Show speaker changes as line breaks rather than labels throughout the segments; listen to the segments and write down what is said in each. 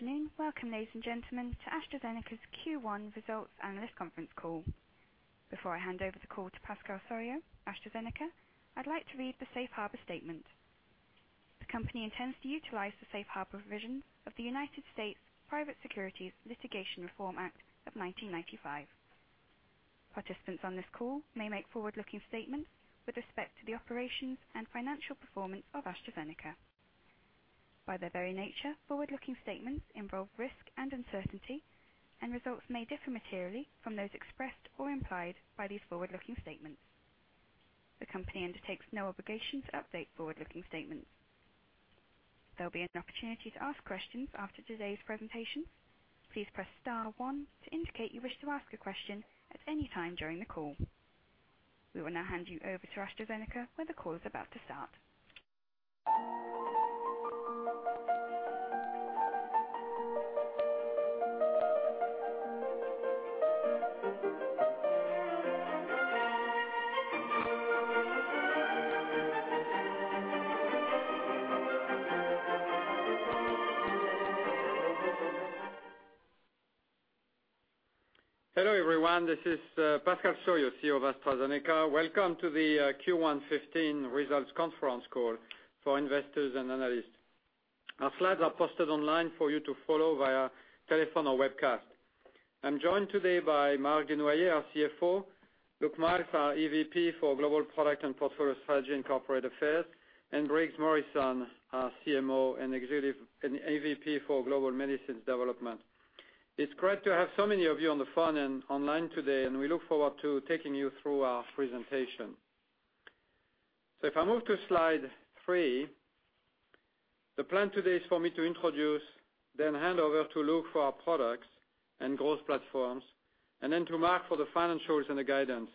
Afternoon. Welcome, ladies and gentlemen, to AstraZeneca's Q1 results analyst conference call. Before I hand over the call to Pascal Soriot, AstraZeneca, I'd like to read the safe harbor statement. The company intends to utilize the safe harbor provisions of the U.S. Private Securities Litigation Reform Act of 1995. Participants on this call may make forward-looking statements with respect to the operations and financial performance of AstraZeneca. By their very nature, forward-looking statements involve risk and uncertainty, and results may differ materially from those expressed or implied by these forward-looking statements. The company undertakes no obligation to update forward-looking statements. There'll be an opportunity to ask questions after today's presentation. Please press star one to indicate you wish to ask a question at any time during the call. We will now hand you over to AstraZeneca where the call is about to start.
Hello, everyone. This is Pascal Soriot, CEO of AstraZeneca. Welcome to the Q1 2015 results conference call for investors and analysts. Our slides are posted online for you to follow via telephone or webcast. I'm joined today by Marc Dunoyer, our CFO, Luke Miels, our EVP for Global Product and Portfolio Strategy and Corporate Affairs, and Briggs Morrison, our CMO and AVP for Global Medicines Development. It's great to have so many of you on the phone and online today, and we look forward to taking you through our presentation. If I move to slide three, the plan today is for me to introduce, hand over to Luke for our products and growth platforms, and to Marc for the financials and the guidance.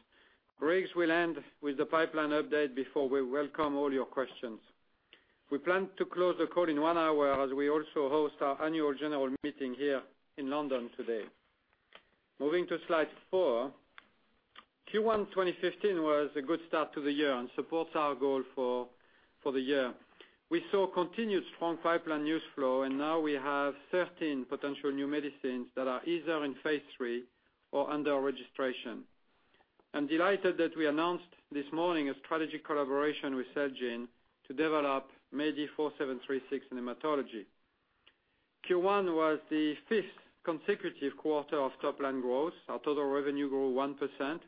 Briggs will end with the pipeline update before we welcome all your questions. We plan to close the call in one hour as we also host our annual general meeting here in London today. Moving to slide four. Q1 2015 was a good start to the year and supports our goal for the year. We saw continued strong pipeline news flow, and now we have 13 potential new medicines that are either in phase III or under registration. I'm delighted that we announced this morning a strategy collaboration with Celgene to develop MEDI4736 in hematology. Q1 was the fifth consecutive quarter of top-line growth. Our total revenue grew 1%,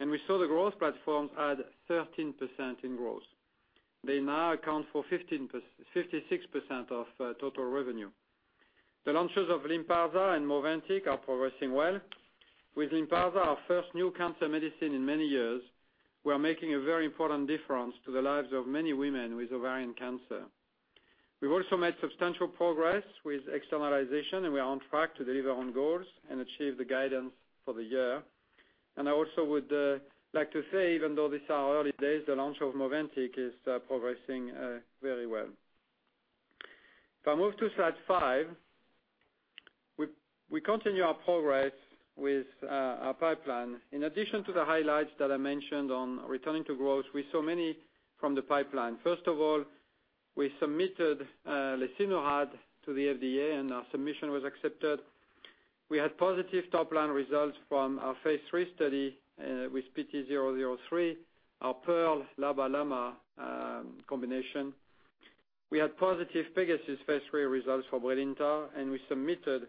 and we saw the growth platforms add 13% in growth. They now account for 56% of total revenue. The launches of LYNPARZA and MOVANTIK are progressing well. With LYNPARZA, our first new cancer medicine in many years, we are making a very important difference to the lives of many women with ovarian cancer. We've also made substantial progress with externalization, we are on track to deliver on goals and achieve the guidance for the year. I also would like to say, even though these are early days, the launch of MOVANTIK is progressing very well. If I move to slide five, we continue our progress with our pipeline. In addition to the highlights that I mentioned on returning to growth, we saw many from the pipeline. First of all, we submitted lesinurad to the FDA, and our submission was accepted. We had positive top-line results from our phase III study, with PT003, our Pearl LAMA/LABA combination. We had positive PEGASUS phase III results for BRILINTA, and we submitted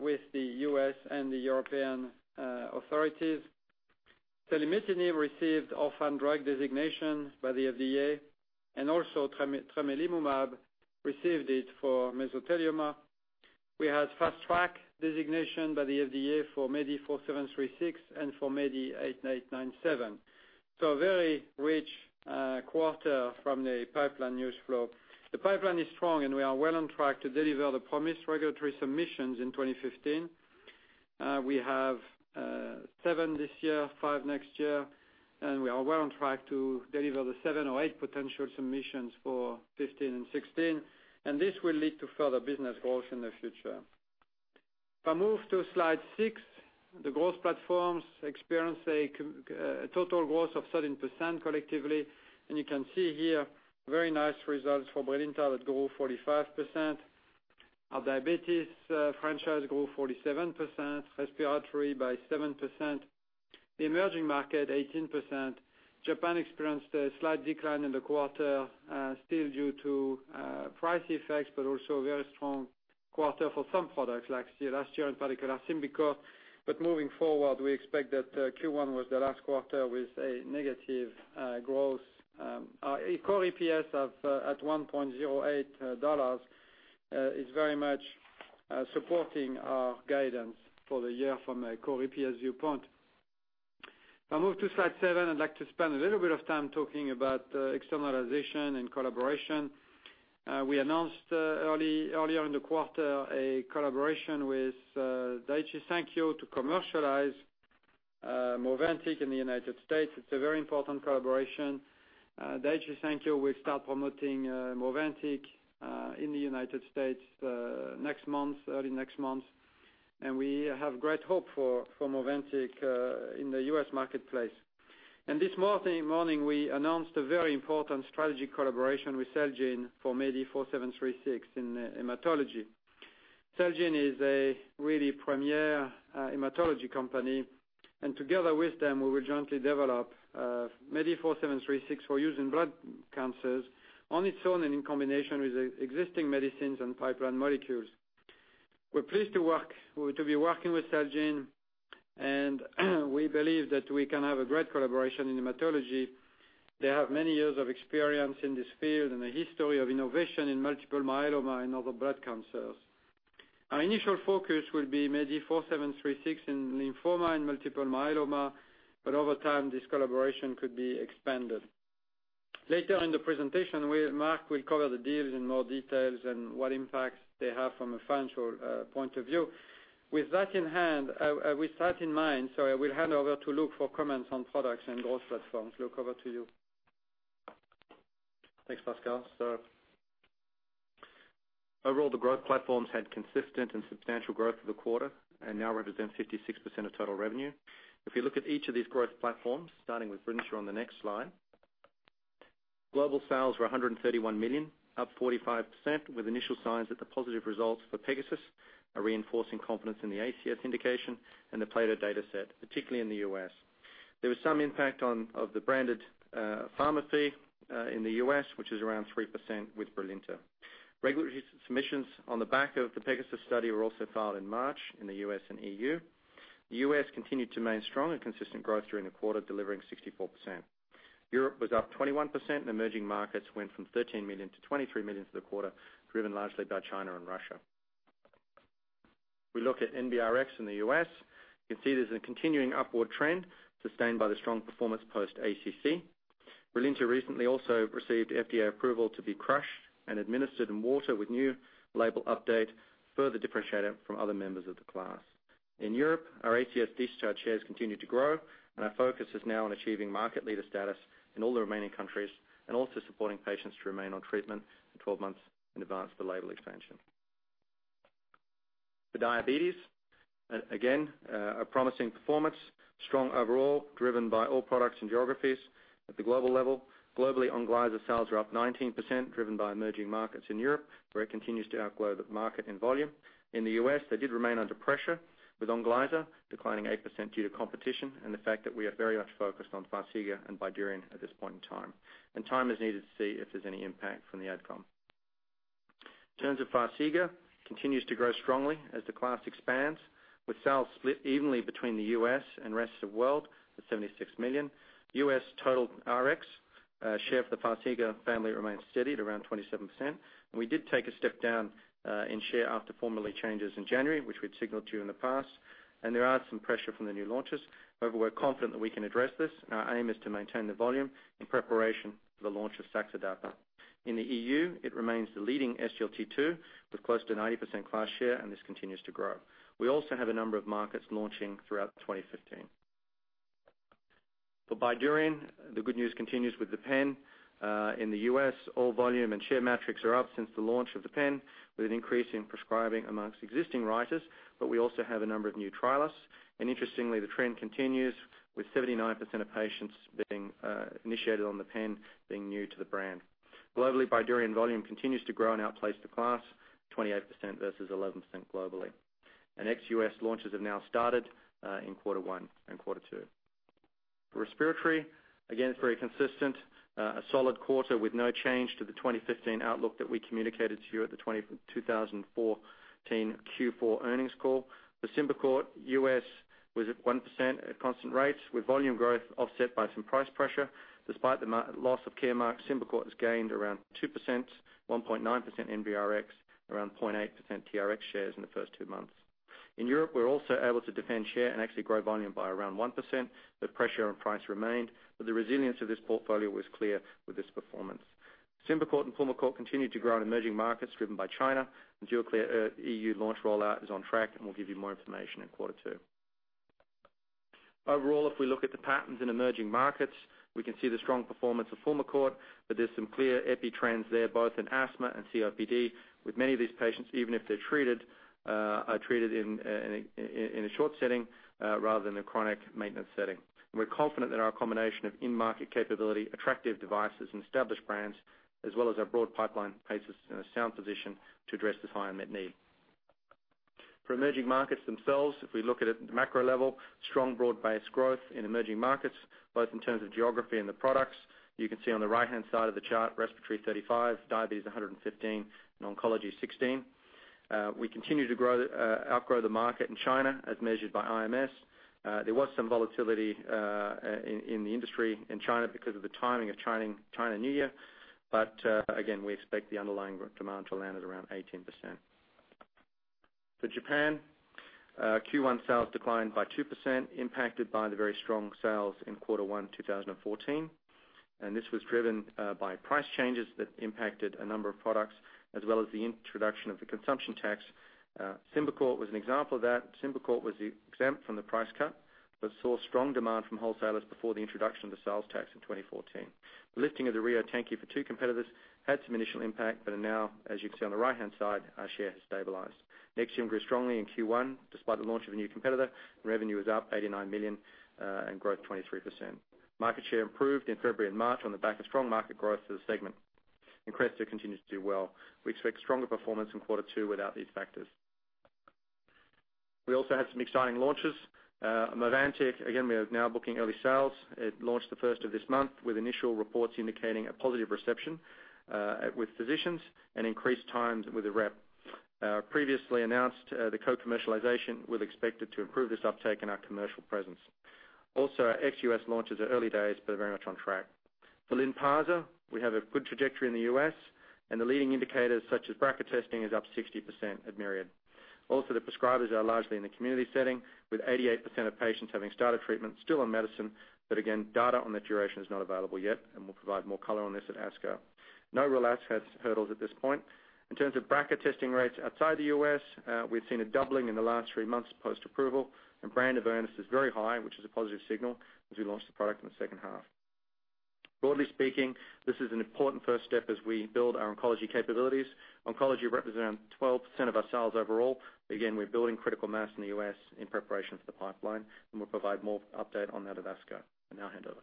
with the U.S. and the European authorities. selumetinib received orphan drug designation by the FDA, and also tremelimumab received it for mesothelioma. We had fast track designation by the FDA for MEDI4736 and for MEDI8897. A very rich quarter from the pipeline news flow. The pipeline is strong, and we are well on track to deliver the promised regulatory submissions in 2015. We have seven this year, five next year, and we are well on track to deliver the seven or eight potential submissions for 2015 and 2016, and this will lead to further business growth in the future. If I move to slide six, the growth platforms experienced a total growth of 13% collectively, and you can see here very nice results for BRILINTA that grew 45%. Our diabetes franchise grew 47%, respiratory by 7%, the emerging market 18%. Japan experienced a slight decline in the quarter, still due to price effects, but also a very strong quarter for some products like Serostim and particularly SYMBICORT. Moving forward, we expect that Q1 was the last quarter with a negative growth. Our core EPS at $1.08 is very much supporting our guidance for the year from a core EPS viewpoint. If I move to slide seven, I'd like to spend a little bit of time talking about externalization and collaboration. We announced earlier in the quarter a collaboration with Daiichi Sankyo to commercialize MOVANTIK in the U.S. It's a very important collaboration. Daiichi Sankyo will start promoting MOVANTIK in the U.S. early next month. We have great hope for MOVANTIK in the U.S. marketplace. This morning, we announced a very important strategy collaboration with Celgene for MEDI4736 in hematology. Celgene is a really premier hematology company, and together with them, we will jointly develop MEDI4736 for use in blood cancers on its own and in combination with existing medicines and pipeline molecules. We're pleased to be working with Celgene, and we believe that we can have a great collaboration in hematology. They have many years of experience in this field and a history of innovation in multiple myeloma and other blood cancers. Our initial focus will be MEDI4736 in lymphoma and multiple myeloma, but over time, this collaboration could be expanded. Later in the presentation, Marc will cover the deals in more details and what impacts they have from a financial point of view. With that in mind, I will hand over to Luke for comments on products and growth platforms. Luke, over to you.
Thanks, Pascal. Overall, the growth platforms had consistent and substantial growth for the quarter and now represent 56% of total revenue. If you look at each of these growth platforms, starting with BRILINTA on the next slide, global sales were 131 million, up 45%, with initial signs that the positive results for PEGASUS are reinforcing confidence in the ACS indication and the PLATO data set, particularly in the U.S. There was some impact of the branded pharma fee in the U.S., which is around 3% with BRILINTA. Regulatory submissions on the back of the PEGASUS study were also filed in March in the U.S. and EU. The U.S. continued to maintain strong and consistent growth during the quarter, delivering 64%. Europe was up 21%, and emerging markets went from 13 million to 23 million for the quarter, driven largely by China and Russia. We look at NBRx in the U.S. You can see there's a continuing upward trend sustained by the strong performance post ACC. BRILINTA recently also received FDA approval to be crushed and administered in water with new label update, further differentiating it from other members of the class. In Europe, our ACS discharge shares continued to grow, and our focus is now on achieving market leader status in all the remaining countries and also supporting patients to remain on treatment for 12 months in advance for label expansion. For diabetes, again, a promising performance, strong overall, driven by all products and geographies at the global level. Globally, Onglyza sales are up 19%, driven by emerging markets in Europe, where it continues to outgrow the market in volume. In the U.S., they did remain under pressure, with Onglyza declining 8% due to competition and the fact that we are very much focused on FARXIGA and Bydureon at this point in time. Time is needed to see if there's any impact from the AdCom. In terms of FARXIGA, continues to grow strongly as the class expands, with sales split evenly between the U.S. and rest of world at 76 million. U.S. total TRx share for the FARXIGA family remains steady at around 27%. There are some pressure from the new launches. However, we're confident that we can address this, and our aim is to maintain the volume in preparation for the launch of Saxenda. In the EU, it remains the leading SGLT2, with close to 90% class share, and this continues to grow. We also have a number of markets launching throughout 2015. For Bydureon, the good news continues with the pen. In the U.S., all volume and share metrics are up since the launch of the pen, with an increase in prescribing amongst existing writers, but we also have a number of new trialists. Interestingly, the trend continues, with 79% of patients being initiated on the pen being new to the brand. Globally, Bydureon volume continues to grow and outpace the class 28% versus 11% globally. Ex-U.S. launches have now started in quarter one and quarter two. For respiratory, again, it's very consistent. A solid quarter with no change to the 2015 outlook that we communicated to you at the 2014 Q4 earnings call. For SYMBICORT, U.S. was up 1% at constant rates, with volume growth offset by some price pressure. Despite the loss of Caremark, SYMBICORT has gained around 2%, 1.9% NBRx, around 0.8% TRx shares in the first two months. In Europe, we were also able to defend share and actually grow volume by around 1%. The pressure on price remained, but the resilience of this portfolio was clear with this performance. SYMBICORT and PULMICORT continue to grow in emerging markets driven by China. Duaklir EU launch rollout is on track, and we'll give you more information in quarter two. Overall, if we look at the patterns in emerging markets, we can see the strong performance of PULMICORT, but there's some clear epi trends there, both in asthma and COPD, with many of these patients, even if they're treated, are treated in a short setting rather than a chronic maintenance setting. We're confident that our combination of in-market capability, attractive devices, and established brands, as well as our broad pipeline, places us in a sound position to address this high unmet need. For emerging markets themselves, if we look at it at the macro level, strong broad-based growth in emerging markets, both in terms of geography and the products. You can see on the right-hand side of the chart, respiratory 35, diabetes 115, and oncology 16. We continue to outgrow the market in China as measured by IMS. There was some volatility in the industry in China because of the timing of Chinese New Year. Again, we expect the underlying demand to land at around 18%. For Japan, Q1 sales declined by 2%, impacted by the very strong sales in quarter one 2014. This was driven by price changes that impacted a number of products, as well as the introduction of the consumption tax. SYMBICORT was an example of that. SYMBICORT was exempt from the price cut, saw strong demand from wholesalers before the introduction of the sales tax in 2014. The listing of the [Rio tanki] for two competitors had some initial impact, are now, as you can see on the right-hand side, our share has stabilized. NEXIUM grew strongly in Q1 despite the launch of a new competitor. Revenue was up 89 million, Growth 23%. Market share improved in February and March on the back of strong market growth for the segment. CRESTOR continues to do well. We expect stronger performance in quarter two without these factors. We also had some exciting launches. MOVANTIK, again, we are now booking early sales. It launched the first of this month with initial reports indicating a positive reception with physicians and increased times with a rep. Our previously announced the co-commercialization with expected to improve this uptake in our commercial presence. Our ex-U.S. launch is at early days, very much on track. For LYNPARZA, we have a good trajectory in the U.S., and the leading indicators such as BRCA testing is up 60% at Myriad. The prescribers are largely in the community setting, with 88% of patients having started treatment still on medicine. Again, data on the duration is not available yet, and we'll provide more color on this at ASCO. No relapse has hurdles at this point. In terms of BRCA testing rates outside the U.S., we've seen a doubling in the last three months post-approval, Brand awareness is very high, which is a positive signal as we launch the product in the second half. Broadly speaking, this is an important first step as we build our oncology capabilities. Oncology represents 12% of our sales overall. Again, we're building critical mass in the U.S. in preparation for the pipeline, We'll provide more update on that at ASCO. I now hand over.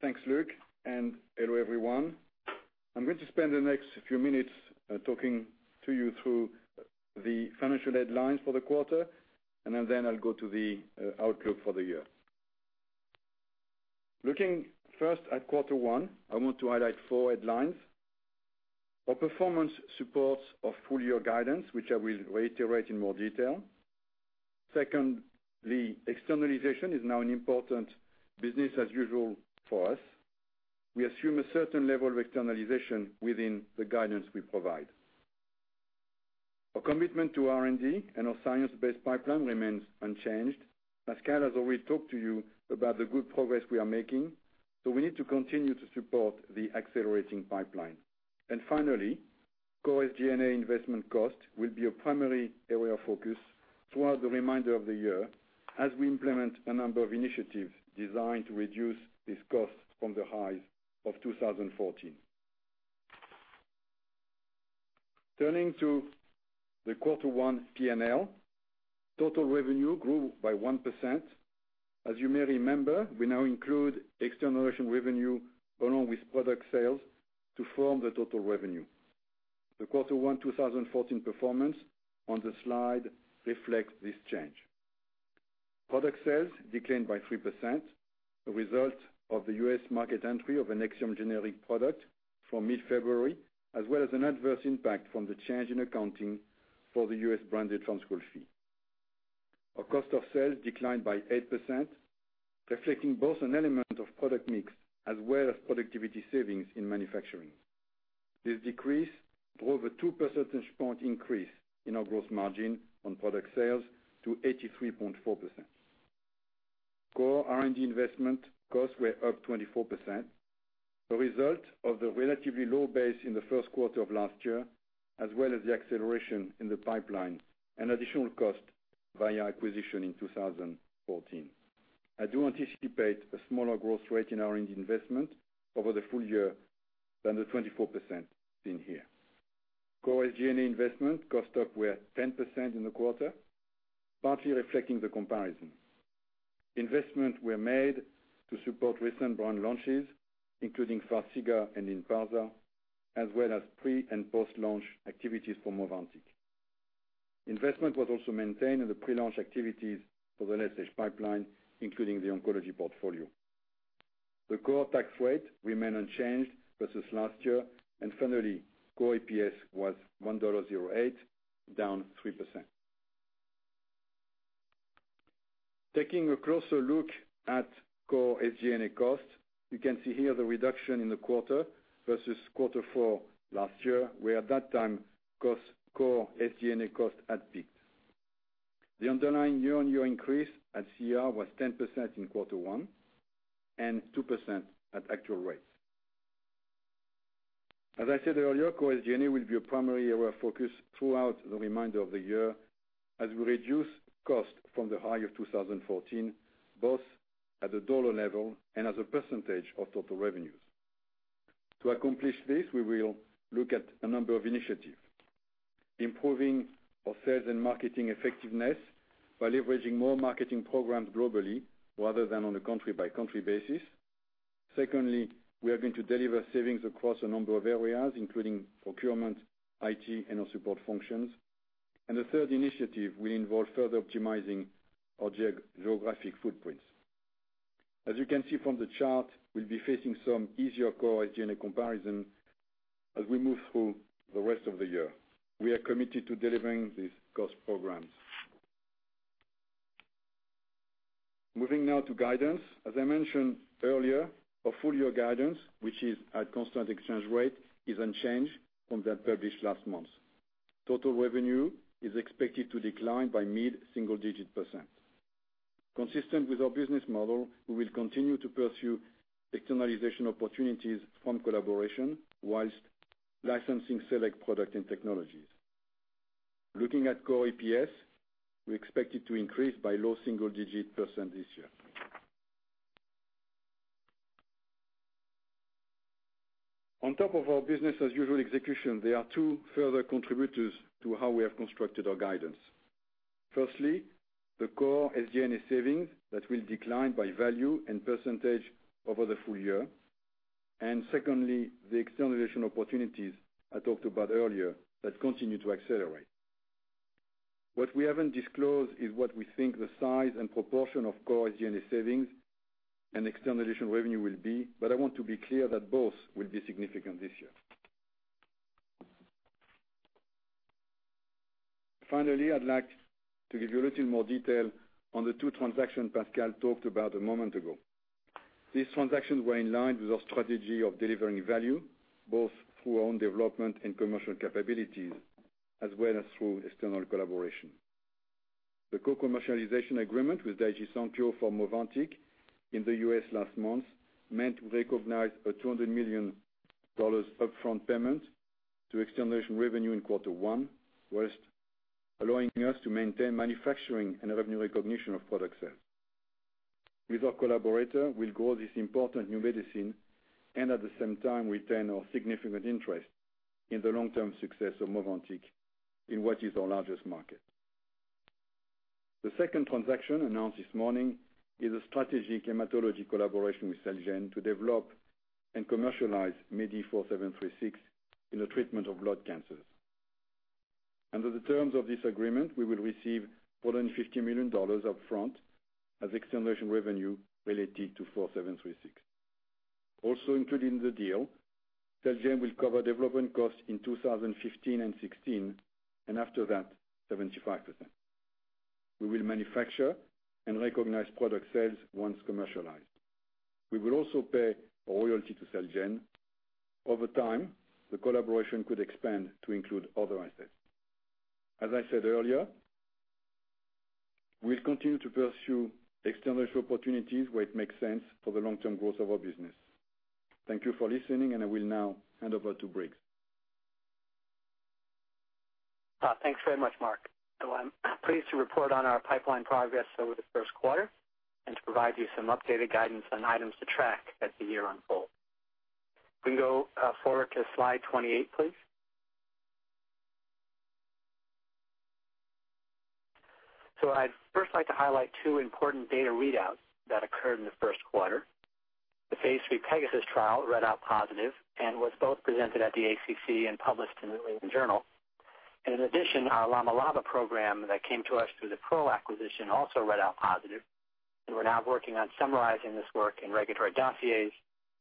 Thanks, Luke, and hello, everyone. I'm going to spend the next few minutes talking to you through the financial headlines for the quarter, and then I'll go to the outlook for the year. Looking first at quarter one, I want to highlight four headlines. Our performance supports our full-year guidance, which I will reiterate in more detail. Second, the externalization is now an important business as usual for us. We assume a certain level of externalization within the guidance we provide. Our commitment to R&D and our science-based pipeline remains unchanged. Pascal has already talked to you about the good progress we are making, so we need to continue to support the accelerating pipeline. Finally, core SG&A investment cost will be a primary area of focus throughout the remainder of the year as we implement a number of initiatives designed to reduce these costs from the highs of 2014. Turning to the quarter one P&L, total revenue grew by 1%. As you may remember, we now include externalization revenue along with product sales to form the total revenue. The quarter one 2014 performance on the slide reflects this change. Product sales declined by 3%, a result of the U.S. market entry of a NEXIUM generic product from mid-February, as well as an adverse impact from the change in accounting for the U.S. branded transfer fee. Our cost of sales declined by 8%, reflecting both an element of product mix as well as productivity savings in manufacturing. This decrease drove a two percentage point increase in our gross margin on product sales to 83.4%. Core R&D investment costs were up 24%, a result of the relatively low base in the first quarter of last year, as well as the acceleration in the pipeline and additional cost via acquisition in 2014. I do anticipate a smaller growth rate in R&D investment over the full year than the 24% seen here. Core SG&A investment cost were up 10% in the quarter, partly reflecting the comparison. Investment was made to support recent brand launches, including FARXIGA and LYNPARZA, as well as pre- and post-launch activities for MOVANTIK. Investment was also maintained in the pre-launch activities for the late-stage pipeline, including the oncology portfolio. The core tax rate remained unchanged versus last year. Finally, core EPS was $1.08, down 3%. Taking a closer look at core SG&A costs, you can see here the reduction in the quarter versus quarter four last year, where at that time, core SG&A costs had peaked. The underlying year-on-year increase at CER was 10% in quarter one and 2% at actual rates. As I said earlier, core SG&A will be a primary area of focus throughout the remainder of the year as we reduce costs from the high of 2014, both at the dollar level and as a percentage of total revenues. To accomplish this, we will look at a number of initiatives. Improving our sales and marketing effectiveness by leveraging more marketing programs globally rather than on a country-by-country basis. Secondly, we are going to deliver savings across a number of areas, including procurement, IT, and our support functions. The third initiative will involve further optimizing our geographic footprints. As you can see from the chart, we'll be facing some easier core SG&A comparison as we move through the rest of the year. We are committed to delivering these cost programs. Moving now to guidance. As I mentioned earlier, our full-year guidance, which is at constant exchange rate, is unchanged from that published last month. Total revenue is expected to decline by mid-single digit %. Consistent with our business model, we will continue to pursue externalization opportunities from collaboration whilst licensing select product and technologies. Looking at core EPS, we expect it to increase by low single digit % this year. On top of our business as usual execution, there are two further contributors to how we have constructed our guidance. Firstly, the core SG&A savings that will decline by value and percentage over the full year. Secondly, the externalization opportunities I talked about earlier that continue to accelerate. What we haven't disclosed is what we think the size and proportion of core SG&A savings and externalization revenue will be, I want to be clear that both will be significant this year. Finally, I'd like to give you a little more detail on the two transactions Pascal talked about a moment ago. These transactions were in line with our strategy of delivering value, both through our own development and commercial capabilities, as well as through external collaboration. The co-commercialization agreement with Daiichi Sankyo for MOVANTIK in the U.S. last month meant we recognized a GBP 200 million upfront payment to externalization revenue in quarter one, whilst allowing us to maintain manufacturing and revenue recognition of product sales. With our collaborator, we'll grow this important new medicine and at the same time, retain our significant interest in the long-term success of MOVANTIK in what is our largest market. The second transaction announced this morning is a strategic hematology collaboration with Celgene to develop and commercialize MEDI4736 in the treatment of blood cancers. Under the terms of this agreement, we will receive more than GBP 50 million upfront as externalization revenue related to 4736. Also included in the deal, Celgene will cover development costs in 2015 and 2016, and after that, 75%. We will manufacture and recognize product sales once commercialized. We will also pay a royalty to Celgene. Over time, the collaboration could expand to include other assets. As I said earlier, we'll continue to pursue externalization opportunities where it makes sense for the long-term growth of our business. Thank you for listening, and I will now hand over to Briggs.
Thanks very much, Marc. I'm pleased to report on our pipeline progress over the first quarter and to provide you some updated guidance on items to track as the year unfolds. We can go forward to slide 28, please. I'd first like to highlight two important data readouts that occurred in the first quarter. The phase III PEGASUS trial read out positive and was both presented at the ACC and published in the NEJM journal. In addition, our LAMA/LABA program that came to us through the Pearl acquisition also read out positive, and we're now working on summarizing this work in regulatory dossiers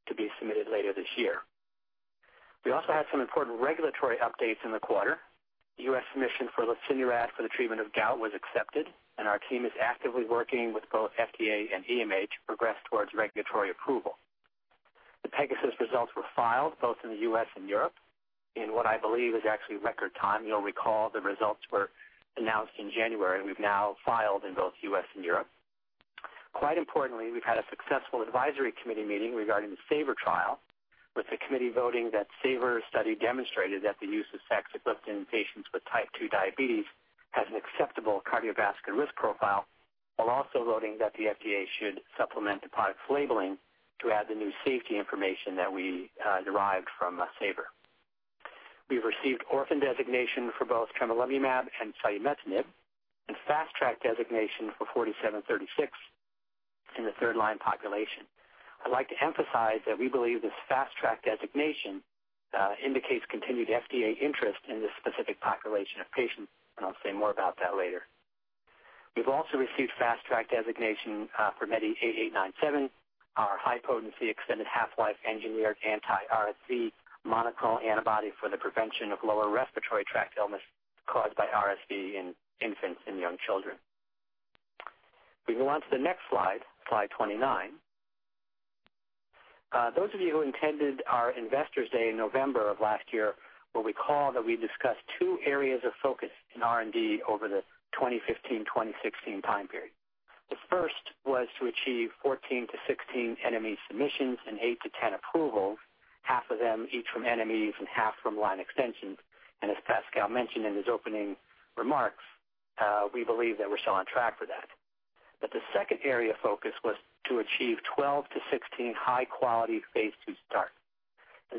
to be submitted later this year. We also had some important regulatory updates in the quarter. The U.S. submission for lesinurad for the treatment of gout was accepted, and our team is actively working with both FDA and EMA to progress towards regulatory approval. The PEGASUS results were filed both in the U.S. and Europe in what I believe is actually record time. You'll recall the results were announced in January, and we've now filed in both U.S. and Europe. Quite importantly, we've had a successful advisory committee meeting regarding the SAVOR trial with the committee voting that SAVOR study demonstrated that the use of saxagliptin in patients with type 2 diabetes has an acceptable cardiovascular risk profile, while also voting that the FDA should supplement the product's labeling to add the new safety information that we derived from SAVOR. We've received orphan designation for both tremelimumab and selumetinib, and Fast Track designation for 4736 in the third-line population. I'd like to emphasize that we believe this Fast Track designation indicates continued FDA interest in this specific population of patients, and I'll say more about that later. We've also received Fast Track designation for MEDI8897, our high potency extended half-life engineered anti-RSV monoclonal antibody for the prevention of lower respiratory tract illness caused by RSV in infants and young children. We move on to the next slide 29. Those of you who attended our Investor Day in November of last year will recall that we discussed two areas of focus in R&D over the 2015-2016 time period. The first was to achieve 14 to 16 NME submissions and 8 to 10 approvals, half of them each from NMEs and half from line extensions. As Pascal mentioned in his opening remarks, we believe that we're still on track for that. The second area of focus was to achieve 12 to 16 high-quality phase II starts.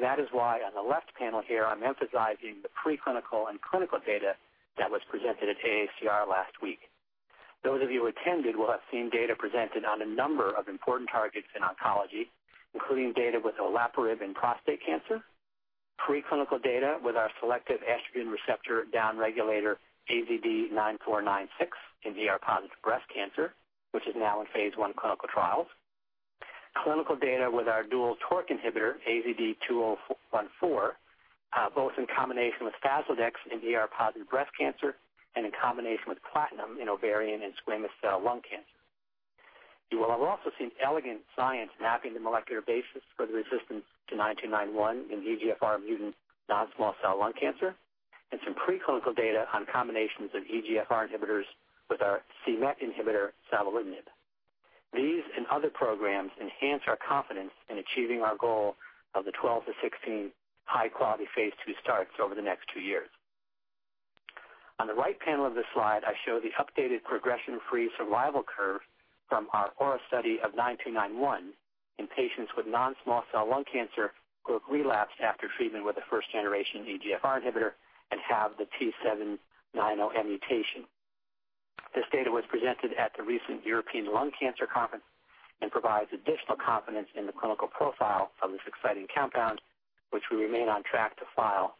That is why on the left panel here, I'm emphasizing the pre-clinical and clinical data that was presented at AACR last week. Those of you who attended will have seen data presented on a number of important targets in oncology, including data with olaparib in prostate cancer, pre-clinical data with our selective estrogen receptor down regulator AZD9496 in ER-positive breast cancer, which is now in phase I clinical trials, clinical data with our dual TORC inhibitor, AZD2014, both in combination with FASLODEX in ER-positive breast cancer and in combination with platinum in ovarian and squamous cell lung cancer. You will have also seen elegant science mapping the molecular basis for the resistance to 9291 in EGFR mutant non-small cell lung cancer, and some preclinical data on combinations of EGFR inhibitors with our c-Met inhibitor, savolitinib. These and other programs enhance our confidence in achieving our goal of the 12 to 16 high-quality phase II starts over the next two years. On the right panel of this slide, I show the updated progression-free survival curve from our AURA study of 9291 in patients with non-small cell lung cancer who have relapsed after treatment with a first-generation EGFR inhibitor and have the T790M mutation. This data was presented at the recent European Lung Cancer Conference and provides additional confidence in the clinical profile of this exciting compound, which we remain on track to file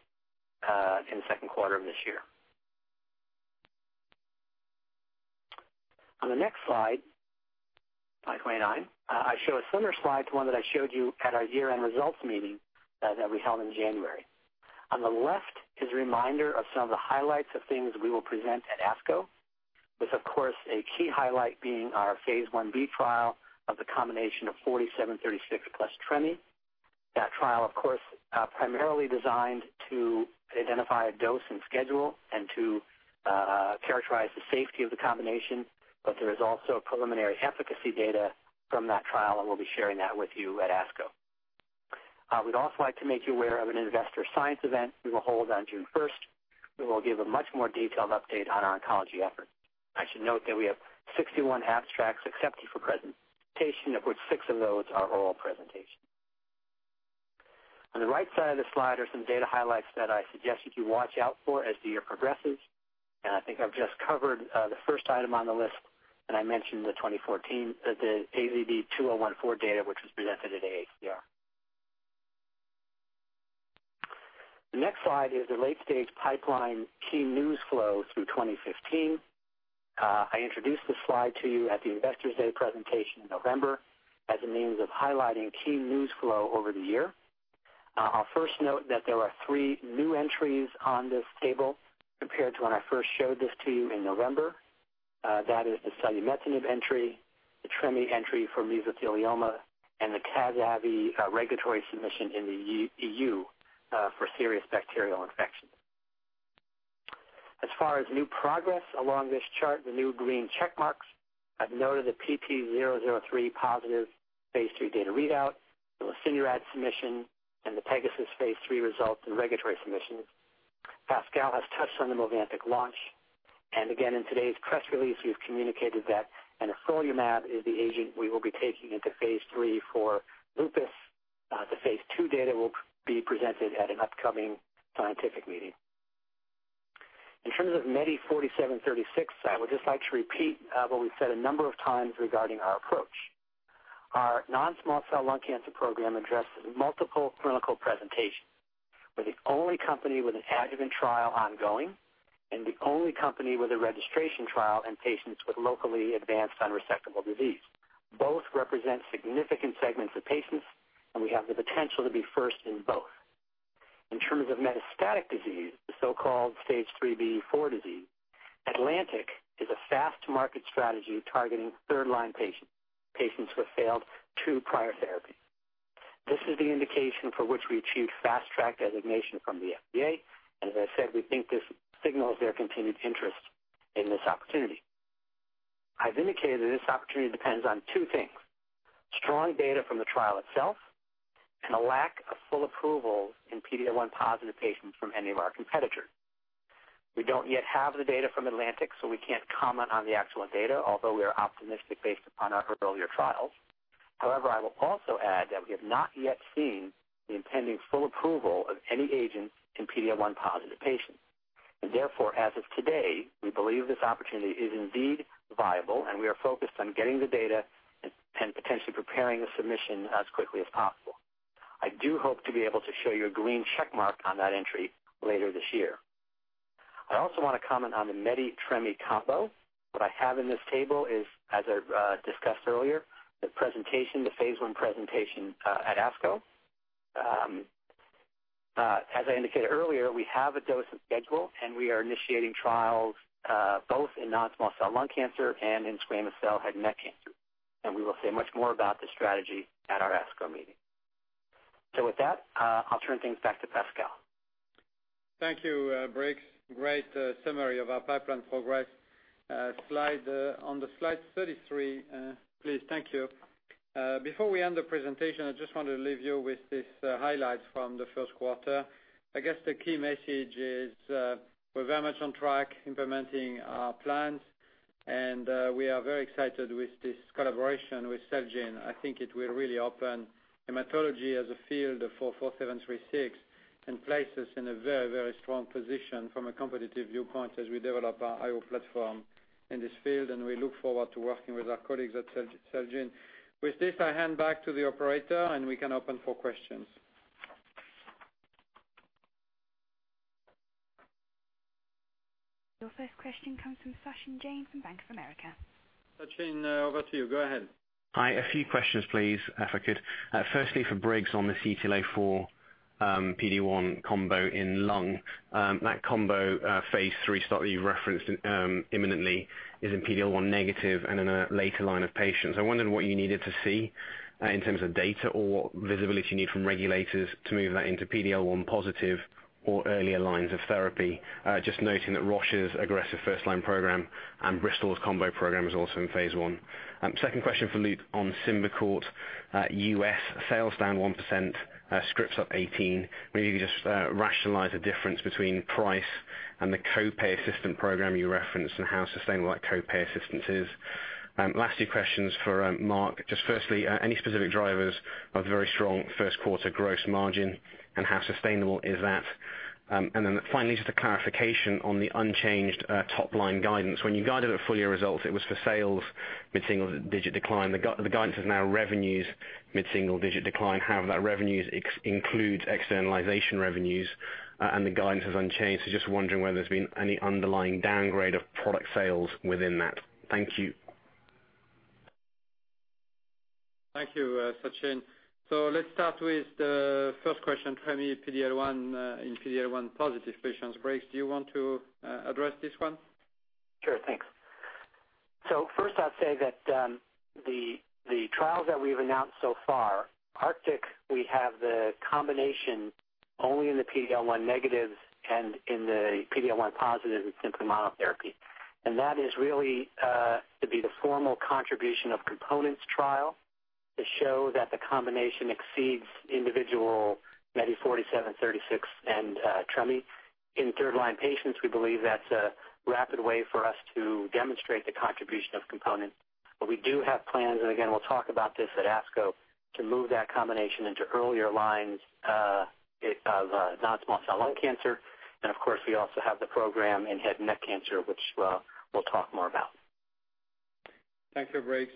in the second quarter of this year. On the next slide 29, I show a similar slide to one that I showed you at our year-end results meeting that we held in January. On the left is a reminder of some of the highlights of things we will present at ASCO. With, of course, a key highlight being our phase I-B trial of the combination of MEDI4736 plus tremelimumab. That trial, of course, primarily designed to identify a dose and schedule and to characterize the safety of the combination. There is also preliminary efficacy data from that trial. We'll be sharing that with you at ASCO. We'd also like to make you aware of an Investor Science Event we will hold on June 1st. We will give a much more detailed update on our oncology effort. I should note that we have 61 abstracts accepted for presentation, of which six of those are oral presentations. On the right side of the slide are some data highlights that I suggest you watch out for as the year progresses. I think I've just covered the first item on the list. I mentioned the AZD2014 data, which was presented at AACR. The next slide is the late-stage pipeline key news flow through 2015. I introduced this slide to you at the Investors Day presentation in November as a means of highlighting key news flow over the year. I'll first note that there are three new entries on this table compared to when I first showed this to you in November. That is the selumetinib entry, the tremelimumab entry for mesothelioma, and the Zavicefta regulatory submission in the EU for serious bacterial infections. As far as new progress along this chart, the new green check marks, I've noted the PT003 positive phase III data readout, the lesinurad submission, and the PEGASUS phase III results and regulatory submission. Pascal has touched on the MOVANTIK launch. Again, in today's press release, we've communicated that anifrolumab is the agent we will be taking into phase III for lupus. The phase II data will be presented at an upcoming scientific meeting. In terms of MEDI4736, I would just like to repeat what we've said a number of times regarding our approach. Our non-small cell lung cancer program addresses multiple clinical presentations. We're the only company with an adjuvant trial ongoing and the only company with a registration trial in patients with locally advanced unresectable disease. Both represent significant segments of patients, and we have the potential to be first in both. In terms of metastatic disease, the so-called Stage 3B 4 disease, ATLANTIC is a fast market strategy targeting third-line patients who have failed two prior therapies. This is the indication for which we achieved Fast Track designation from the FDA. As I said, we think this signals their continued interest in this opportunity. I've indicated that this opportunity depends on two things, strong data from the trial itself. A lack of full approval in PD-L1-positive patients from any of our competitors. We don't yet have the data from ATLANTIC. We can't comment on the actual data, although we are optimistic based upon our earlier trials. However, I will also add that we have not yet seen the impending full approval of any agent in PD-L1-positive patients. Therefore, as of today, we believe this opportunity is indeed viable. We are focused on getting the data and potentially preparing a submission as quickly as possible. I do hope to be able to show you a green check mark on that entry later this year. I also want to comment on the MEDI Tremy combo. What I have in this table is, as I discussed earlier, the presentation, the phase I presentation at ASCO. As I indicated earlier, we have a dose and schedule, we are initiating trials both in non-small cell lung cancer and in squamous cell head and neck cancer. We will say much more about this strategy at our ASCO meeting. With that, I'll turn things back to Pascal.
Thank you, Briggs. Great summary of our pipeline progress. On slide 33, please. Thank you. Before we end the presentation, I just wanted to leave you with these highlights from the first quarter. I guess the key message is we're very much on track implementing our plans, and we are very excited with this collaboration with Celgene. I think it will really open hematology as a field for 4736 and place us in a very, very strong position from a competitive viewpoint as we develop our IO platform in this field, and we look forward to working with our colleagues at Celgene. With this, I hand back to the operator, and we can open for questions. Your first question comes from Sachin Jain from Bank of America. Sachin, over to you. Go ahead.
Hi. A few questions, please, if I could. Firstly, for Briggs on the CTLA-4 PD-1 combo in lung. That combo phase III study you referenced imminently is in PD-L1 negative and in a later line of patients. I wondered what you needed to see in terms of data or what visibility you need from regulators to move that into PD-L1 positive or earlier lines of therapy. Just noting that Roche's aggressive first-line program and Bristol's combo program is also in phase I. Second question for Luke on SYMBICORT. U.S. sales down 1%, scripts up 18. You could just rationalize the difference between price and the co-pay assistance program you referenced and how sustainable that co-pay assistance is. Lastly, questions for Marc. Firstly, any specific drivers of very strong first quarter gross margin, and how sustainable is that? Finally, just a clarification on the unchanged top-line guidance. When you guided at full year results, it was for sales mid-single digit decline. The guidance is now revenues mid-single digit decline. However, that revenues includes externalization revenues, and the guidance is unchanged. Just wondering whether there's been any underlying downgrade of product sales within that. Thank you.
Thank you, Sachin. Let's start with the first question, PD-L1 in PD-L1 positive patients. Briggs, do you want to address this one?
Sure. Thanks. First I'd say that the trials that we've announced so far, ARCTIC, we have the combination only in the PD-L1 negative and in the PD-L1 positive in simple monotherapy. That is really to be the formal contribution of components trial to show that the combination exceeds individual MEDI4736 and TREME. In third-line patients, we believe that's a rapid way for us to demonstrate the contribution of components. We do have plans, and again, we'll talk about this at ASCO, to move that combination into earlier lines of non-small cell lung cancer. Of course, we also have the program in head neck cancer, which we'll talk more about.
Thank you, Briggs.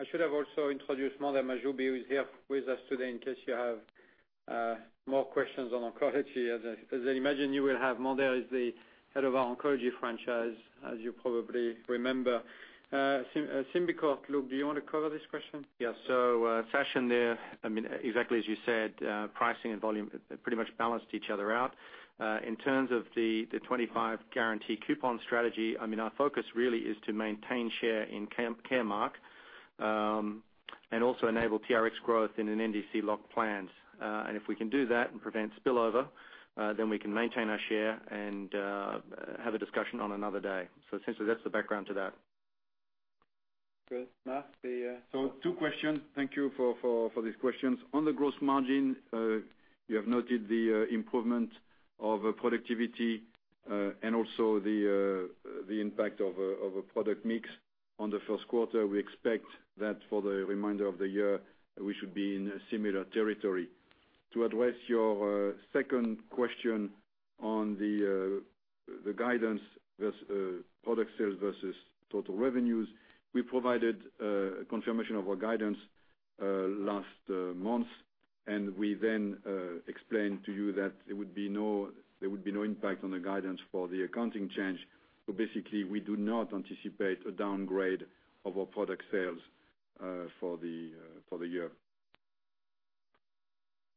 I should have also introduced Mondher Mahjoubi, who is here with us today in case you have more questions on oncology, as I imagine you will have. Mondher is the head of our oncology franchise, as you probably remember. SYMBICORT, Luke, do you want to cover this question?
Yes. Sachin there, exactly as you said, pricing and volume pretty much balanced each other out. In terms of the 25 guarantee coupon strategy, our focus really is to maintain share in Caremark, and also enable PRX growth in an NDC lock plans. If we can do that and prevent spillover, then we can maintain our share and have a discussion on another day. Essentially, that's the background to that.
Good. Marc?
Two questions. Thank you for these questions. On the gross margin, you have noted the improvement of productivity, and also the impact of a product mix on the first quarter. We expect that for the remainder of the year, we should be in a similar territory. To address your second question on the guidance, product sales versus total revenues, we provided confirmation of our guidance last month, we then explained to you that there would be no impact on the guidance for the accounting change. Basically, we do not anticipate a downgrade of our product sales for the year.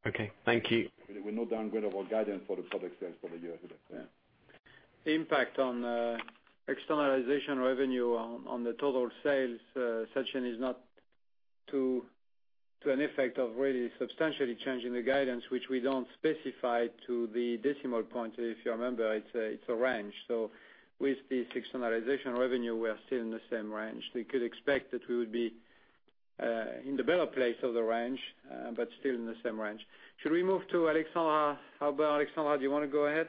Okay. Thank you.
There will be no downgrade of our guidance for the product sales for the year.
The impact on externalization revenue on the total sales, Sachin, is not to an effect of really substantially changing the guidance, which we don't specify to the decimal point. If you remember, it's a range. With the externalization revenue, we are still in the same range. We could expect that we would be in the better place of the range, but still in the same range. Should we move to Alexandra? Alexandra, do you want to go ahead?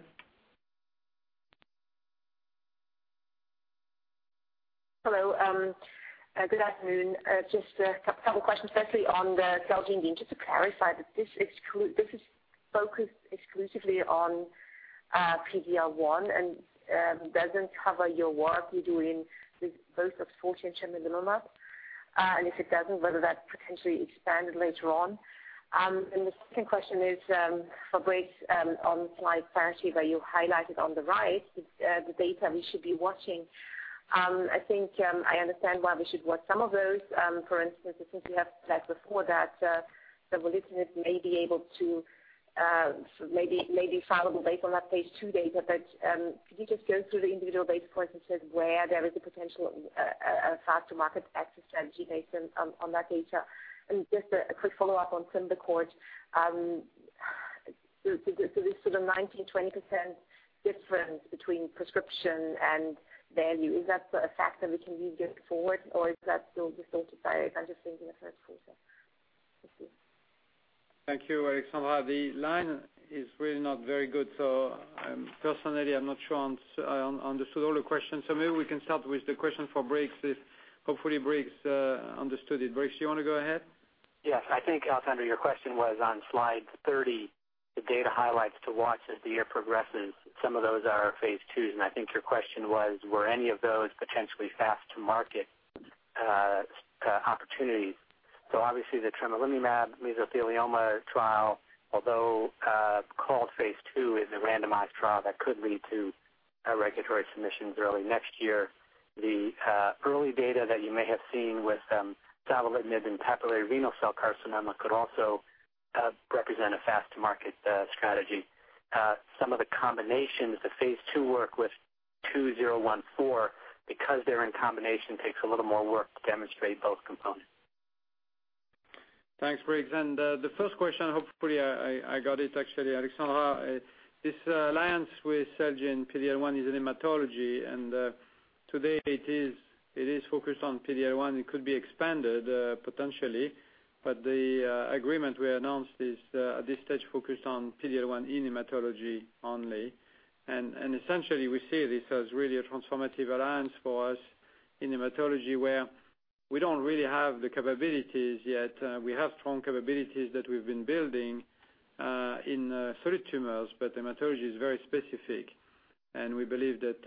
Hello. Good afternoon. Just a couple of questions, firstly on the Celgene, just to clarify, this is focused exclusively on PD-L1, and doesn't cover your work you do in both axfolti and tremelimumab. If it doesn't, whether that potentially expanded later on. The second question is for Briggs on slide 30 where you highlighted on the right, the data we should be watching. I think I understand why we should watch some of those. For instance, I think we have said before that savolitinib may be fileable based on that phase II data. Could you just go through the individual data points and say where there is a potential faster market access strategy based on that data? And just a quick follow-up on SYMBICORT. This sort of 19%-20% difference between prescription and value, is that a fact that we can read going forward or is that still just sort of just sitting in the first quarter? Thank you.
Thank you, Alexandra. The line is really not very good. Personally, I'm not sure I understood all the questions. Maybe we can start with the question for Briggs. If hopefully Briggs understood it. Briggs, you want to go ahead?
Yes. I think Alexandra, your question was on slide 30, the data highlights to watch as the year progresses. Some of those are our phase IIs, and I think your question was, were any of those potentially fast to market opportunities? Obviously the tremelimumab mesothelioma trial, although Paul's phase II is a randomized trial that could lead to regulatory submissions early next year. The early data that you may have seen with savolitinib in papillary renal cell carcinoma could also represent a fast-to-market strategy. Some of the combinations, the phase II work with 2014, because they're in combination, takes a little more work to demonstrate both components.
Thanks, Briggs. The first question, hopefully, I got it actually, Alexandra. This alliance with Celgene PDL-1 is in hematology, and today it is focused on PDL-1. It could be expanded potentially, but the agreement we announced is at this stage focused on PDL-1 in hematology only. Essentially we see this as really a transformative alliance for us in hematology, where we don't really have the capabilities yet. We have strong capabilities that we've been building in solid tumors, but hematology is very specific, and we believe that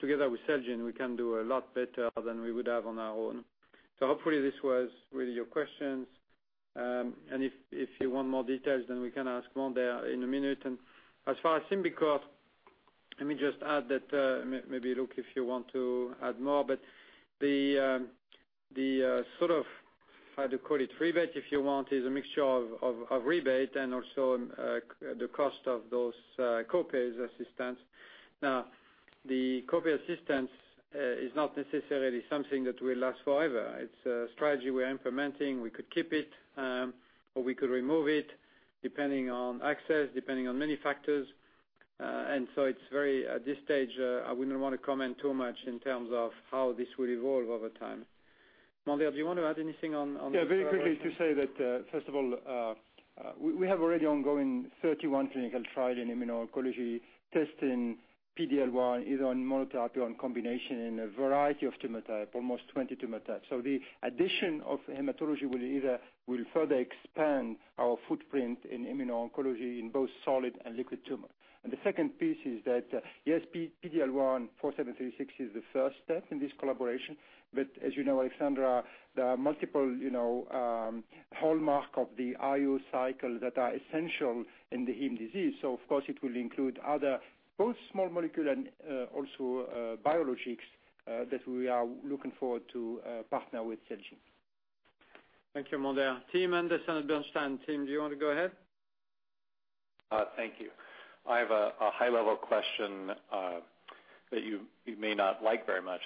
together with Celgene, we can do a lot better than we would have on our own. Hopefully this was really your questions. If you want more details, we can ask Mondher in a minute. As far as SYMBICORT, let me just add that, maybe Luke if you want to add more, the sort of, how to call it, rebate, if you want, is a mixture of rebate and also the cost of those co-pay assistance. The co-pay assistance is not necessarily something that will last forever. It's a strategy we're implementing. We could keep it, or we could remove it depending on access, depending on many factors. At this stage, I wouldn't want to comment too much in terms of how this will evolve over time. Mondher, do you want to add anything on this collaboration?
Very quickly to say that, first of all, we have already ongoing 31 clinical trial in immuno-oncology testing PDL-1, either on monotherapy or in combination in a variety of tumor type, almost 20 tumor types. The addition of hematology will further expand our footprint in immuno-oncology in both solid and liquid tumor. The second piece is that, yes, MEDI4736 is the first step in this collaboration. As you know, Alexandra, there are multiple hallmark of the IO cycle that are essential in the hem disease. Of course it will include other both small molecule and also biologics that we are looking forward to partner with Celgene.
Thank you, Mondher. Tim Anderson at Bernstein. Tim, do you want to go ahead?
Thank you. I have a high-level question that you may not like very much,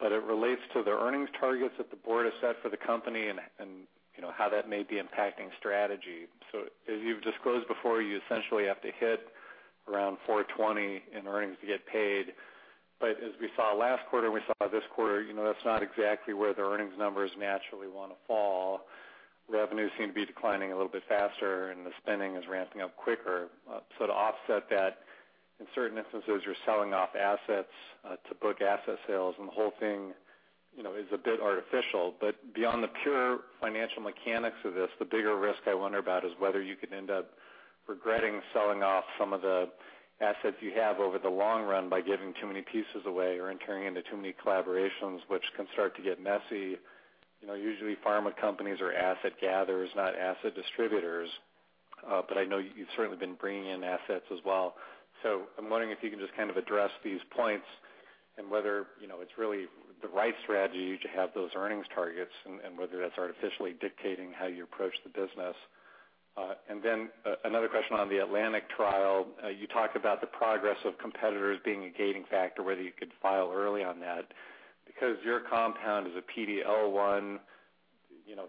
it relates to the earnings targets that the board has set for the company and how that may be impacting strategy. As you've disclosed before, you essentially have to hit around 420 in earnings to get paid. As we saw last quarter, and we saw this quarter, that's not exactly where the earnings numbers naturally want to fall. Revenues seem to be declining a little bit faster, and the spending is ramping up quicker. To offset that, in certain instances, you're selling off assets to book asset sales, and the whole thing is a bit artificial. Beyond the pure financial mechanics of this, the bigger risk I wonder about is whether you could end up regretting selling off some of the assets you have over the long run by giving too many pieces away or entering into too many collaborations, which can start to get messy. Usually pharma companies are asset gatherers, not asset distributors. I know you've certainly been bringing in assets as well. I'm wondering if you can just kind of address these points and whether it's really the right strategy to have those earnings targets and whether that's artificially dictating how you approach the business. Another question on the ATLANTIC trial. You talked about the progress of competitors being a gating factor, whether you could file early on that. Your compound is a PD-L1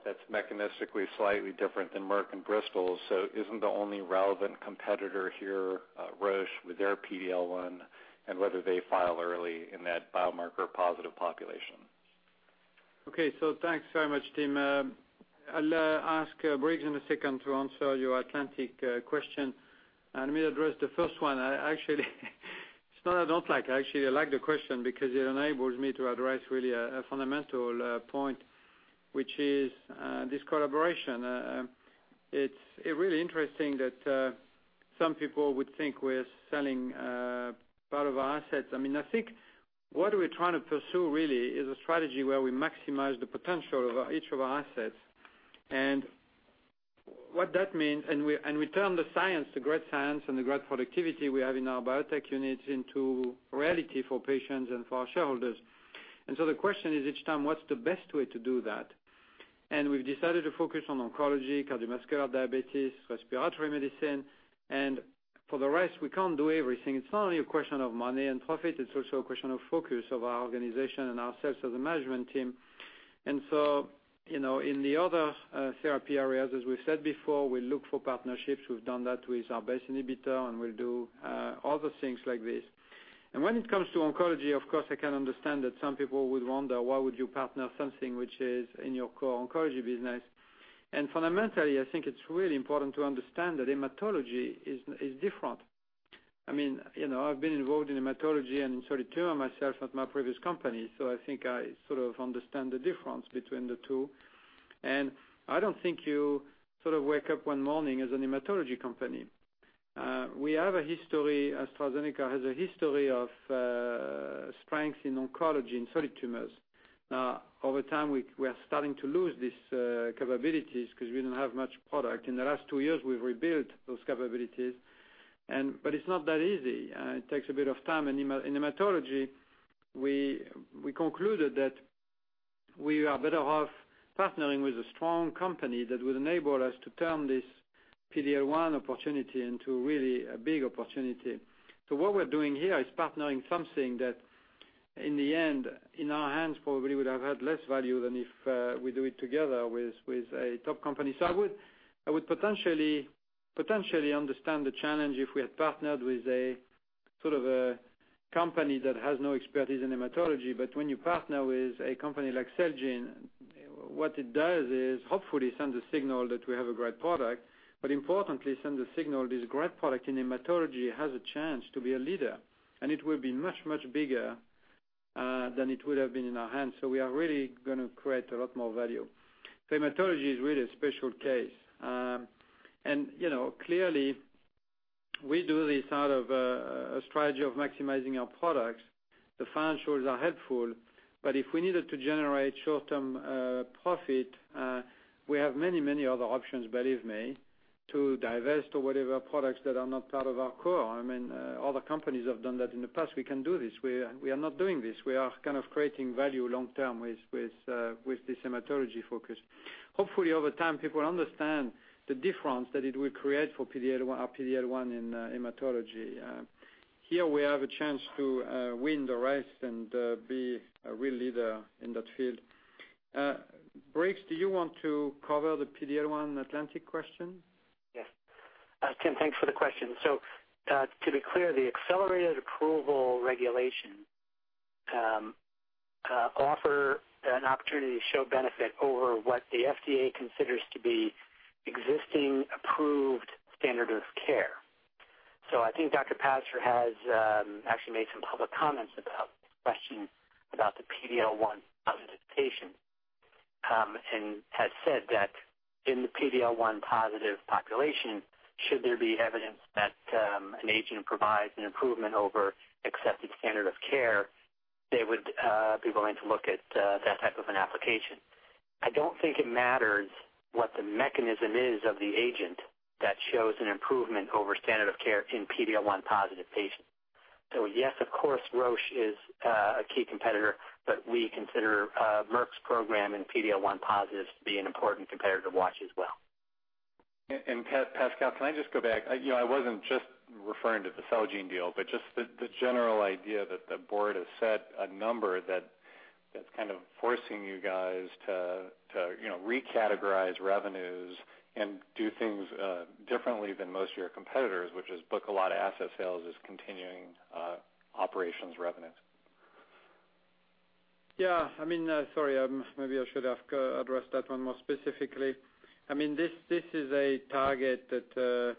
that's mechanistically slightly different than Merck and Bristol's, so isn't the only relevant competitor here Roche with their PD-L1 and whether they file early in that biomarker-positive population?
Thanks very much, Tim. I'll ask Briggs in a second to answer your ATLANTIC question. Let me address the first one. Actually, it's not I don't like. I actually like the question because it enables me to address really a fundamental point, which is this collaboration. It's really interesting that some people would think we're selling part of our assets. I think what we're trying to pursue really is a strategy where we maximize the potential of each of our assets. We turn the science, the great science and the great productivity we have in our biotech units into reality for patients and for our shareholders. The question is each time, what's the best way to do that? We've decided to focus on oncology, cardiovascular, diabetes, respiratory medicine. For the rest, we can't do everything. It's not only a question of money and profit, it's also a question of focus of our organization and ourselves as a management team. In the other therapy areas, as we've said before, we look for partnerships. We've done that with our BACE inhibitor, and we'll do other things like this. When it comes to oncology, of course, I can understand that some people would wonder, why would you partner something which is in your core oncology business? Fundamentally, I think it's really important to understand that hematology is different. I've been involved in hematology and in solid tumor myself at my previous company, so I think I sort of understand the difference between the two, and I don't think you sort of wake up one morning as a hematology company. AstraZeneca has a history of strength in oncology and solid tumors. Over time, we are starting to lose these capabilities because we don't have much product. In the last two years, we've rebuilt those capabilities, but it's not that easy. It takes a bit of time. In hematology, we concluded that we are better off partnering with a strong company that would enable us to turn this PD-L1 opportunity into really a big opportunity. What we're doing here is partnering something that in the end, in our hands, probably would have had less value than if we do it together with a top company. I would potentially understand the challenge if we had partnered with a company that has no expertise in hematology. When you partner with a company like Celgene, what it does is hopefully send a signal that we have a great product, but importantly, send the signal this great product in hematology has a chance to be a leader, and it will be much, much bigger than it would have been in our hands. We are really going to create a lot more value. Hematology is really a special case. Clearly, we do this out of a strategy of maximizing our products. The financials are helpful, but if we needed to generate short-term profit, we have many other options, believe me, to divest or whatever products that are not part of our core. Other companies have done that in the past. We can do this. We are not doing this. We are creating value long-term with this hematology focus. Hopefully, over time, people understand the difference that it will create for our PD-L1 in hematology. Here we have a chance to win the race and be a real leader in that field. Briggs, do you want to cover the PD-L1 ATLANTIC question?
Yes. Tim, thanks for the question. To be clear, the accelerated approval regulation offer an opportunity to show benefit over what the FDA considers to be existing approved standard of care. I think Richard Pazdur has actually made some public comments about this question about the PD-L1 positive patient. Has said that in the PD-L1 positive population, should there be evidence that an agent provides an improvement over accepted standard of care, they would be willing to look at that type of an application. I don't think it matters what the mechanism is of the agent that shows an improvement over standard of care in PD-L1 positive patients. Yes, of course, Roche is a key competitor, but we consider Merck's program in PD-L1 positives to be an important competitor to watch as well.
Pascal, can I just go back? I wasn't just referring to the Celgene deal, but just the general idea that the board has set a number that's kind of forcing you guys to recategorize revenues and do things differently than most of your competitors, which is book a lot of asset sales as continuing operations revenues.
Yeah. Sorry, maybe I should have addressed that one more specifically. This is a target that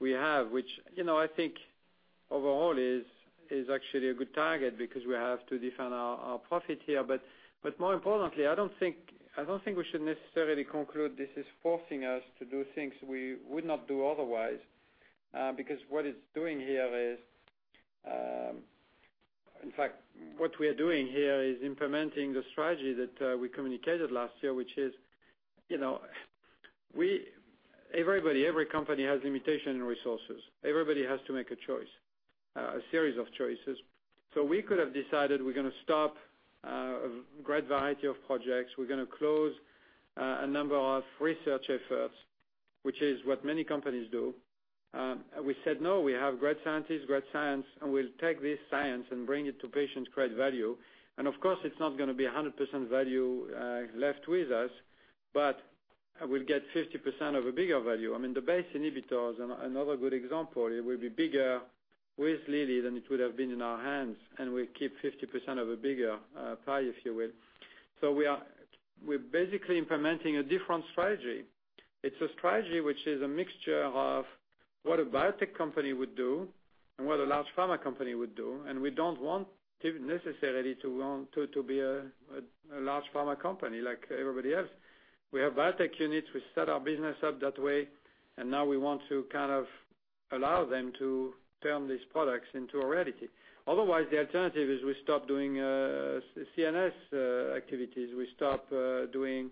we have, which I think overall is actually a good target because we have to defend our profit here. More importantly, I don't think we should necessarily conclude this is forcing us to do things we would not do otherwise. What it's doing here is in fact, what we are doing here is implementing the strategy that we communicated last year, which is every company has limitation in resources. Everybody has to make a choice, a series of choices. We could have decided we're going to stop a great variety of projects. We're going to close a number of research efforts, which is what many companies do. We said, no, we have great scientists, great science, and we'll take this science and bring it to patients, create value. Of course, it's not going to be 100% value left with us, but we'll get 50% of a bigger value. The BACE inhibitors are another good example. It will be bigger with Lilly than it would have been in our hands, and we keep 50% of a bigger pie, if you will. We're basically implementing a different strategy. It's a strategy which is a mixture of what a biotech company would do and what a large pharma company would do, and we don't want necessarily to be a large pharma company like everybody else. We have biotech units. We set our business up that way, and now we want to allow them to turn these products into a reality. Otherwise, the alternative is we stop doing CNS activities. We stop doing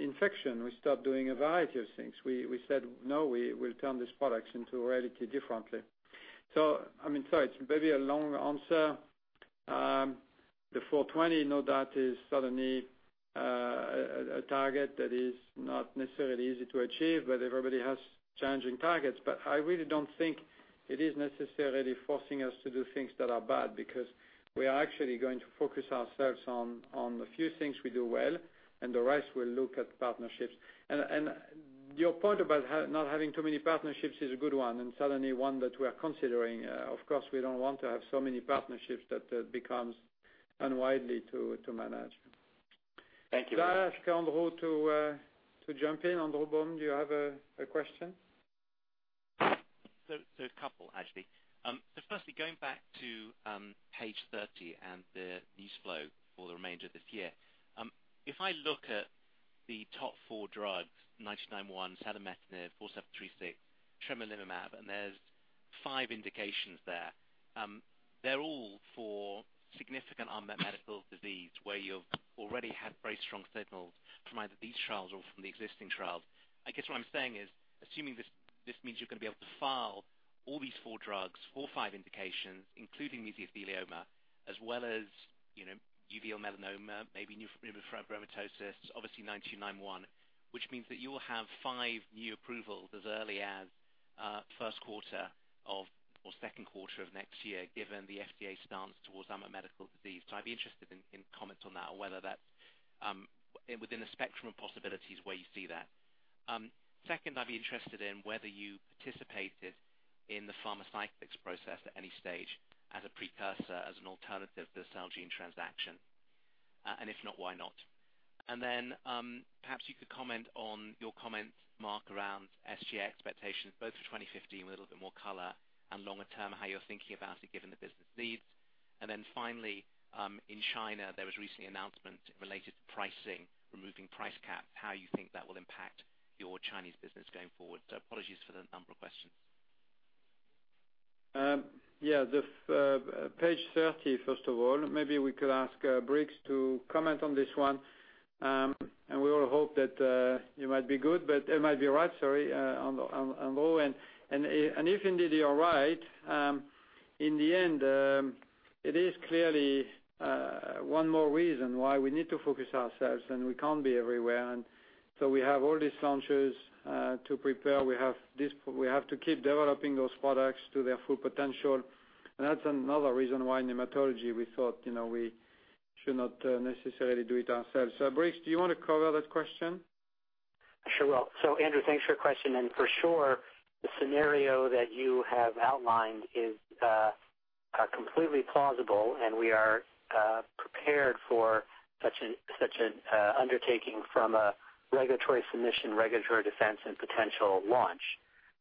infection. We stop doing a variety of things. We said, no, we'll turn these products into a reality differently. Sorry, it's maybe a long answer. The 420, no doubt, is suddenly a target that is not necessarily easy to achieve, but everybody has challenging targets. I really don't think it is necessarily forcing us to do things that are bad because we are actually going to focus ourselves on a few things we do well, and the rest will look at partnerships. Your point about not having too many partnerships is a good one and certainly one that we are considering. Of course, we don't want to have so many partnerships that it becomes unwieldy to manage.
Thank you very much.
Did I ask Andrew to jump in? Andrew Baum, do you have a question?
A couple, actually. Firstly, going back to page 30 and the news flow for the remainder of this year. If I look at the top four drugs, AZD9291, selumetinib, MEDI4736, tremelimumab, and there's five indications there. They're all for significant unmet medical disease where you've already had very strong signals from either these trials or from the existing trials. I guess what I'm saying is, assuming this means you're going to be able to file all these four drugs, four or five indications, including mesothelioma, as well as uveal melanoma, maybe neurofibromatosis, obviously AZD9291, which means that you will have five new approvals as early as first quarter or second quarter of next year, given the FDA stance towards unmet medical disease. I'd be interested in comments on that or whether that's within a spectrum of possibilities where you see that. Second, I'd be interested in whether you participated in the Pharmacyclics process at any stage as a precursor, as an alternative to the Celgene transaction. If not, why not? Perhaps you could comment on your comment, Marc, around SG&A expectations both for 2015, with a little bit more color, and longer term, how you're thinking about it given the business needs. Finally, in China, there was recently an announcement related to pricing, removing price caps, how you think that will impact your Chinese business going forward. Apologies for the number of questions.
Yeah. Page 30, first of all, maybe we could ask Briggs to comment on this one. We all hope that you might be good, but it might be right, sorry, Andrew. If indeed you're right, in the end, it is clearly one more reason why we need to focus ourselves, and we can't be everywhere. We have all these launches to prepare. We have to keep developing those products to their full potential. That's another reason why hematology, we thought we should not necessarily do it ourselves. Briggs, do you want to cover that question?
Sure will. Andrew, thanks for your question. For sure, the scenario that you have outlined is completely plausible, and we are prepared for such an undertaking from a regulatory submission, regulatory defense, and potential launch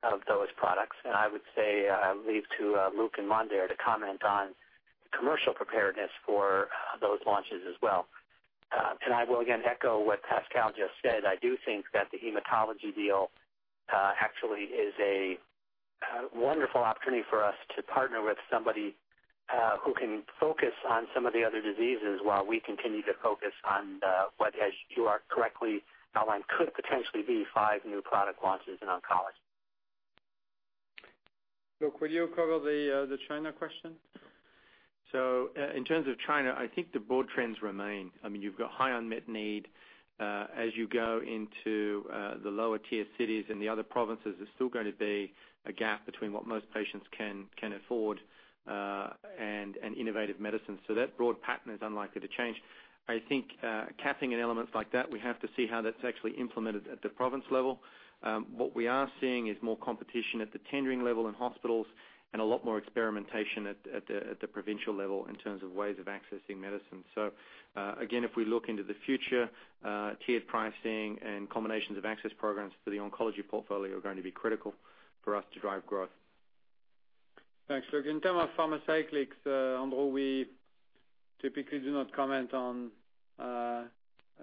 of those products. I would say I leave to Luke and Mon there to comment on the commercial preparedness for those launches as well. I will again echo what Pascal just said. I do think that the hematology deal actually is a wonderful opportunity for us to partner with somebody who can focus on some of the other diseases while we continue to focus on what, as you correctly outlined, could potentially be five new product launches in oncology.
Luke, will you cover the China question?
In terms of China, I think the broad trends remain. You've got high unmet need. As you go into the lower tier cities and the other provinces, there's still going to be a gap between what most patients can afford and innovative medicine. That broad pattern is unlikely to change. I think capping and elements like that, we have to see how that's actually implemented at the province level. What we are seeing is more competition at the tendering level in hospitals and a lot more experimentation at the provincial level in terms of ways of accessing medicine. Again, if we look into the future, tiered pricing and combinations of access programs for the oncology portfolio are going to be critical for us to drive growth.
Thanks, Luke. In terms of Pharmacyclics, Andrew, we typically do not comment on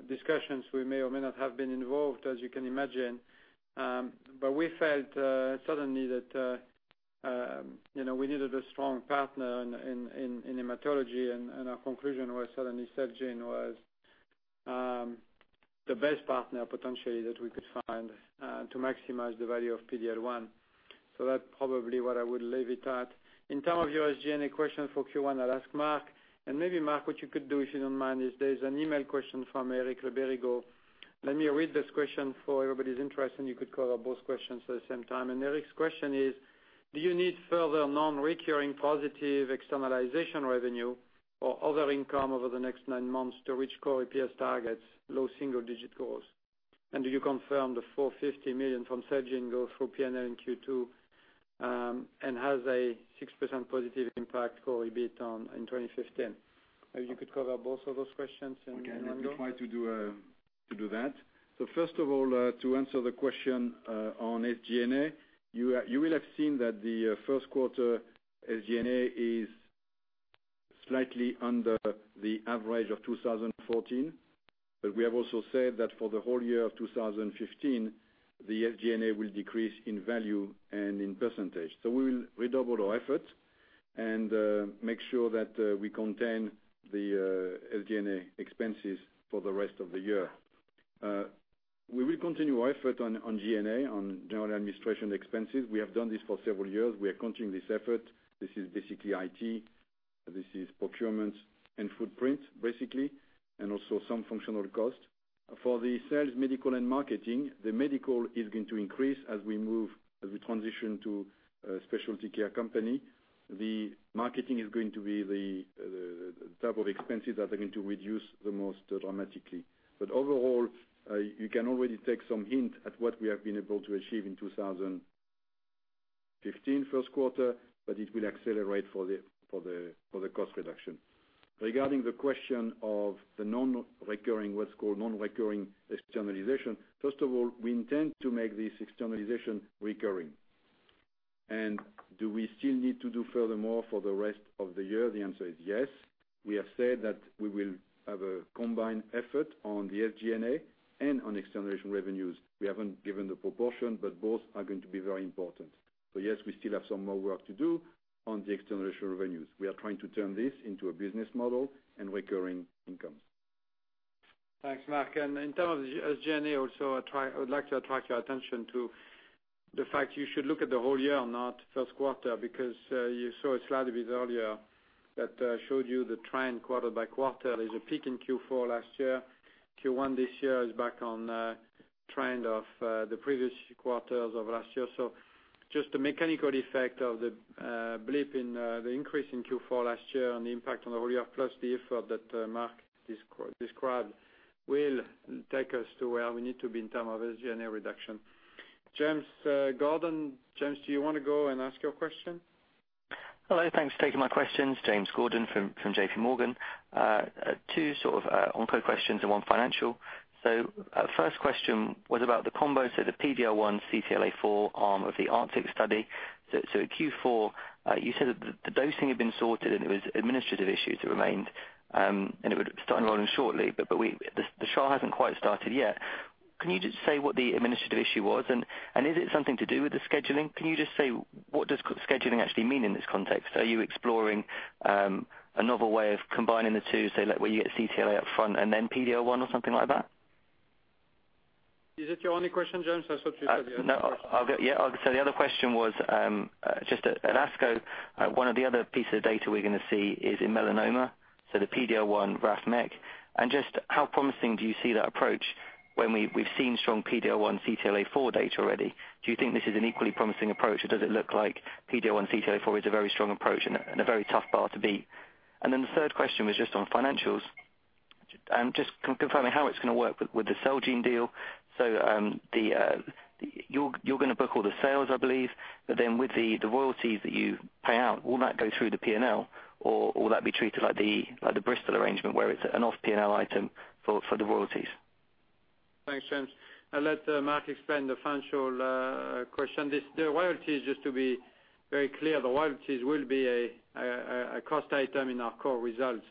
discussions we may or may not have been involved, as you can imagine. We felt suddenly that we needed a strong partner in hematology, and our conclusion was suddenly Celgene was the best partner potentially that we could find to maximize the value of PD-L1. That's probably where I would leave it at. In terms of your SG&A question for Q1, I'll ask Marc. Maybe Marc, what you could do, if you don't mind, is there's an email question from Eric Le Berrigaud. Let me read this question for everybody's interest, and you could cover both questions at the same time. Eric's question is, do you need further non-recurring positive externalization revenue or other income over the next nine months to reach core EPS targets, low single-digit growth? Do you confirm the 450 million from Celgene goes through P&L in Q2 and has a 6% positive impact core EBIT in 2015? Maybe you could cover both of those questions then, Andrew.
Okay. Let me try to do that. First of all, to answer the question on SG&A, you will have seen that the first quarter SG&A is slightly under the average of 2014. We have also said that for the whole year of 2015, the SG&A will decrease in value and in percentage. We will redouble our effort and make sure that we contain the SG&A expenses for the rest of the year. We will continue our effort on G&A, on general administration expenses. We have done this for several years. We are continuing this effort. This is basically IT. This is procurement and footprint, basically, and also some functional cost. For the sales, medical, and marketing, the medical is going to increase as we transition to a specialty care company. The marketing is going to be the type of expenses that are going to reduce the most dramatically. Overall, you can already take some hint at what we have been able to achieve in 2015 first quarter, but it will accelerate for the cost reduction. Regarding the question of what's called non-recurring externalization, first of all, we intend to make this externalization recurring. Do we still need to do furthermore for the rest of the year? The answer is yes. We have said that we will have a combined effort on the SG&A and on externalization revenues. We haven't given the proportion, but both are going to be very important. Yes, we still have some more work to do on the externalization revenues. We are trying to turn this into a business model and recurring income.
Thanks, Marc. In terms of SG&A also, I would like to attract your attention to the fact you should look at the whole year, not first quarter, because you saw a slide a bit earlier that showed you the trend quarter by quarter. There is a peak in Q4 last year. Q1 this year is back on trend of the previous quarters of last year. Just a mechanical effect of the blip in the increase in Q4 last year and the impact on the whole year, plus the effort that Marc described will take us to where we need to be in term of SG&A reduction. James Gordon. James, do you want to go and ask your question?
Hello. Thanks for taking my questions. James Gordon from J.P. Morgan. Two sort of onco questions and one financial. First question was about the combo, so the PD-L1, CTLA-4 arm of the ARCTIC study. At Q4, you said that the dosing had been sorted and it was administrative issues that remained, and it would start enrolling shortly, but the trial hasn't quite started yet. Can you just say what the administrative issue was? Is it something to do with the scheduling? Can you just say what does scheduling actually mean in this context? Are you exploring a novel way of combining the two, say like where you get CTLA up front and then PD-L1 or something like that?
Is that your only question, James? I thought you said you had.
No. The other question was, just at ASCO, one of the other pieces of data we're going to see is in melanoma, so the PD-L1, Raf/MEK. Just how promising do you see that approach when we've seen strong PD-L1, CTLA-4 data already? Do you think this is an equally promising approach, or does it look like PD-L1, CTLA-4 is a very strong approach and a very tough bar to beat? Then the third question was just on financials. Just confirming how it's going to work with the Celgene deal. You're going to book all the sales, I believe. Then with the royalties that you pay out, will that go through the P&L or will that be treated like the Bristol arrangement where it's an off P&L item for the royalties?
Thanks, James. I'll let Marc explain the financial question. The royalties, just to be very clear, the royalties will be a cost item in our core results.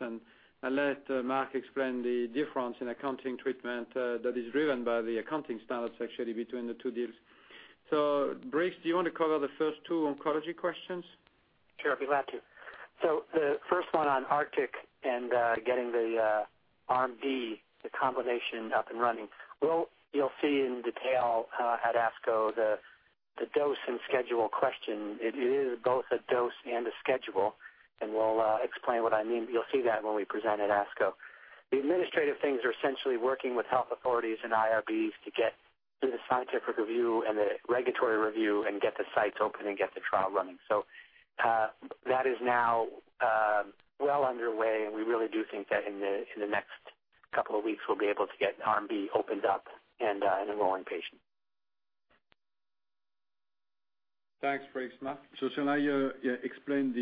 I'll let Marc explain the difference in accounting treatment that is driven by the accounting standards actually between the two deals. Briggs, do you want to cover the first two oncology questions?
Sure, I'd be glad to. The first one on ARCTIC and getting the Arm D, the combination up and running. You'll see in detail at ASCO the dose and schedule question. It is both a dose and a schedule, and we'll explain what I mean, but you'll see that when we present at ASCO. The administrative things are essentially working with health authorities and IRBs to get through the scientific review and the regulatory review and get the sites open and get the trial running. That is now well underway and we really do think that in the next couple of weeks we'll be able to get Arm D opened up and enrolling patients.
Thanks, Briggs. Marc?
Shall I explain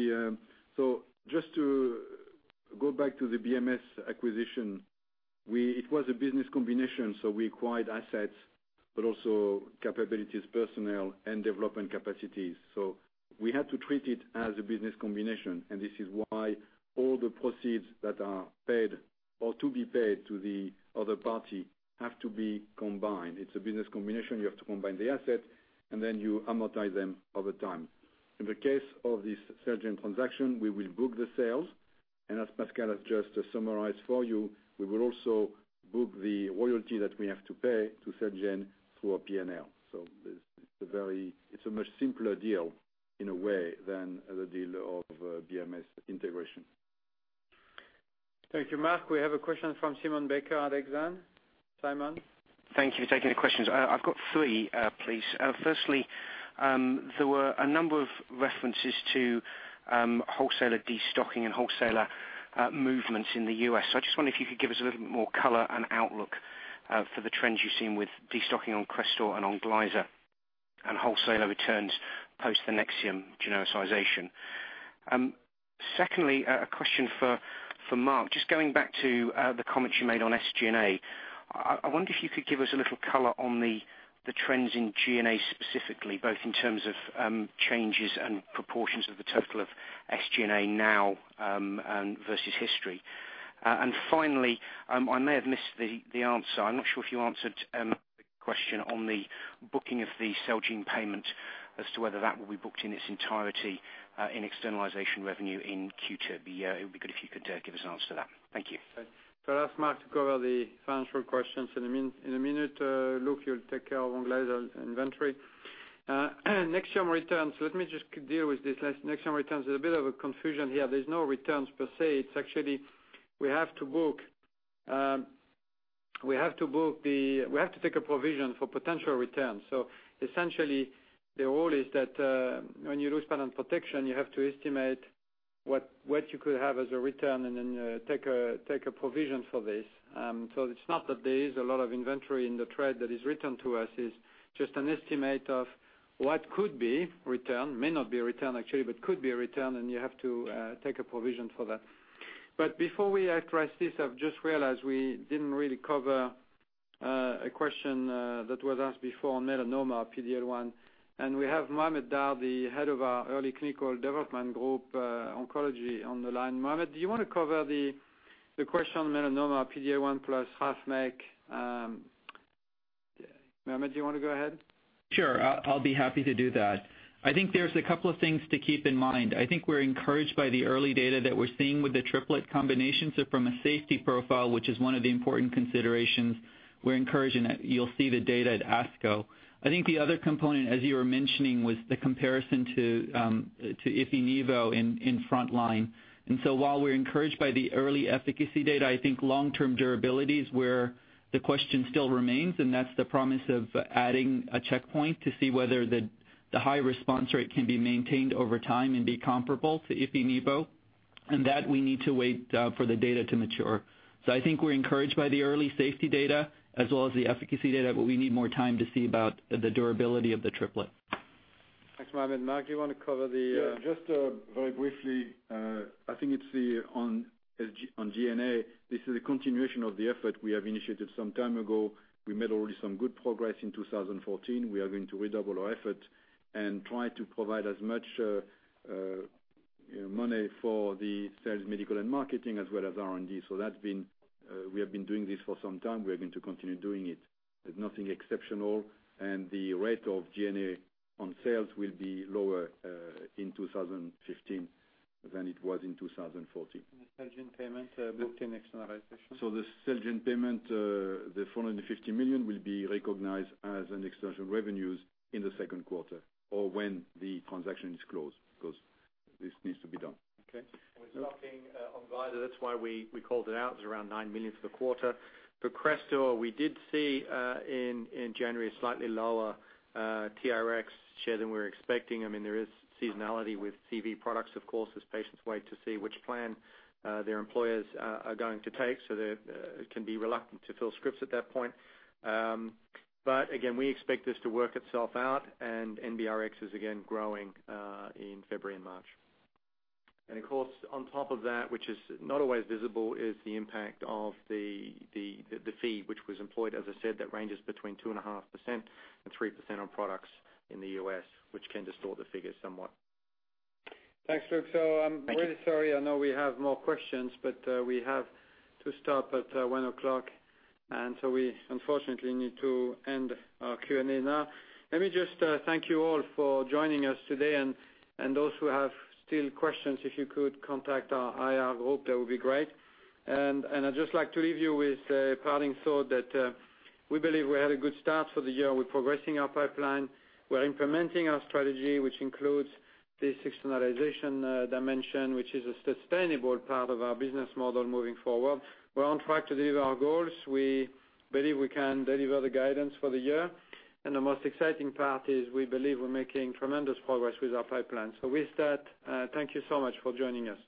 just to go back to the BMS acquisition, it was a business combination, so we acquired assets, but also capabilities, personnel and development capacities. We had to treat it as a business combination, and this is why all the proceeds that are paid or to be paid to the other party have to be combined. It's a business combination. You have to combine the asset and then you amortize them over time. In the case of this Celgene transaction, we will book the sales, and as Pascal has just summarized for you, we will also book the royalty that we have to pay to Celgene through our P&L. It's a much simpler deal in a way than the deal of BMS integration.
Thank you, Marc. We have a question from Simon Baker at Exane. Simon?
Thank you for taking the questions. I've got three, please. Firstly, there were a number of references to wholesaler destocking and wholesaler movements in the U.S. I just wonder if you could give us a little bit more color and outlook for the trends you've seen with destocking on CRESTOR and on Onglyza and wholesaler returns post the NEXIUM genericization. Secondly, a question for Marc. Just going back to the comments you made on SG&A. I wonder if you could give us a little color on the trends in G&A specifically, both in terms of changes and proportions of the total of SG&A now versus history. Finally, I may have missed the answer. I'm not sure if you answered the question on the booking of the Celgene payment as to whether that will be booked in its entirety in externalization revenue in Q2. It would be good if you could give us an answer to that. Thank you.
I'll ask Marc to cover the financial questions in a minute. Luke, you'll take care of Onglyza inventory. NEXIUM returns, let me just deal with this. NEXIUM returns, there's a bit of a confusion here. There's no returns per se. It's actually we have to take a provision for potential returns. Essentially the rule is that when you lose patent protection, you have to estimate what you could have as a return and then take a provision for this. It's not that there is a lot of inventory in the trade that is returned to us. It's just an estimate of what could be returned, may not be returned actually, but could be returned and you have to take a provision for that. Before we address this, I've just realized we didn't really cover a question that was asked before on melanoma PD-L1, and we have Mondher Mahjoubi, the head of our early clinical development group oncology on the line. Mondher, do you want to cover the question on melanoma PD-L1 plus Raf/MEK? Mondher, do you want to go ahead?
Sure. I'll be happy to do that. I think there's a couple of things to keep in mind. I think we're encouraged by the early data that we're seeing with the triplet combinations. From a safety profile, which is one of the important considerations, we're encouraged, and you'll see the data at ASCO. I think the other component, as you were mentioning, was the comparison to Ipi/Nivo in frontline. While we're encouraged by the early efficacy data, I think long-term durability is where the question still remains, and that's the promise of adding a checkpoint to see whether the high response rate can be maintained over time and be comparable to Ipi/Nivo. That we need to wait for the data to mature. I think we're encouraged by the early safety data as well as the efficacy data, we need more time to see about the durability of the triplet.
Thanks, Mondher. Marc, do you want to cover the
Yeah, just very briefly. I think it's on G&A. This is a continuation of the effort we have initiated some time ago. We made already some good progress in 2014. We are going to redouble our effort and try to provide as much money for the sales, medical, and marketing as well as R&D. We have been doing this for some time. We are going to continue doing it. There's nothing exceptional, and the rate of G&A on sales will be lower in 2015 than it was in 2014.
The Celgene payment booked in externalization.
The Celgene payment, the 450 million, will be recognized as an external revenues in the second quarter or when the transaction is closed because this needs to be done.
Okay.
We're blocking on Vidaza. That's why we called it out. It was around 9 million for the quarter. For CRESTOR, we did see in January a slightly lower TRx share than we were expecting. There is seasonality with CV products, of course, as patients wait to see which plan their employers are going to take, so they can be reluctant to fill scripts at that point. Again, we expect this to work itself out, and NBRxS again growing in February and March. Of course, on top of that, which is not always visible, is the impact of the fee which was employed, as I said, that ranges between 2.5%-3% on products in the U.S., which can distort the figures somewhat.
Thanks, Luke.
Thank you.
I'm really sorry. I know we have more questions, but we have to stop at one o'clock, and so we unfortunately need to end our Q&A now. Let me just thank you all for joining us today, and those who have still questions, if you could contact our IR group, that would be great. I'd just like to leave you with a parting thought that we believe we had a good start for the year. We're progressing our pipeline. We're implementing our strategy, which includes this externalization dimension, which is a sustainable part of our business model moving forward. We're on track to deliver our goals. We believe we can deliver the guidance for the year. The most exciting part is we believe we're making tremendous progress with our pipeline. With that, thank you so much for joining us.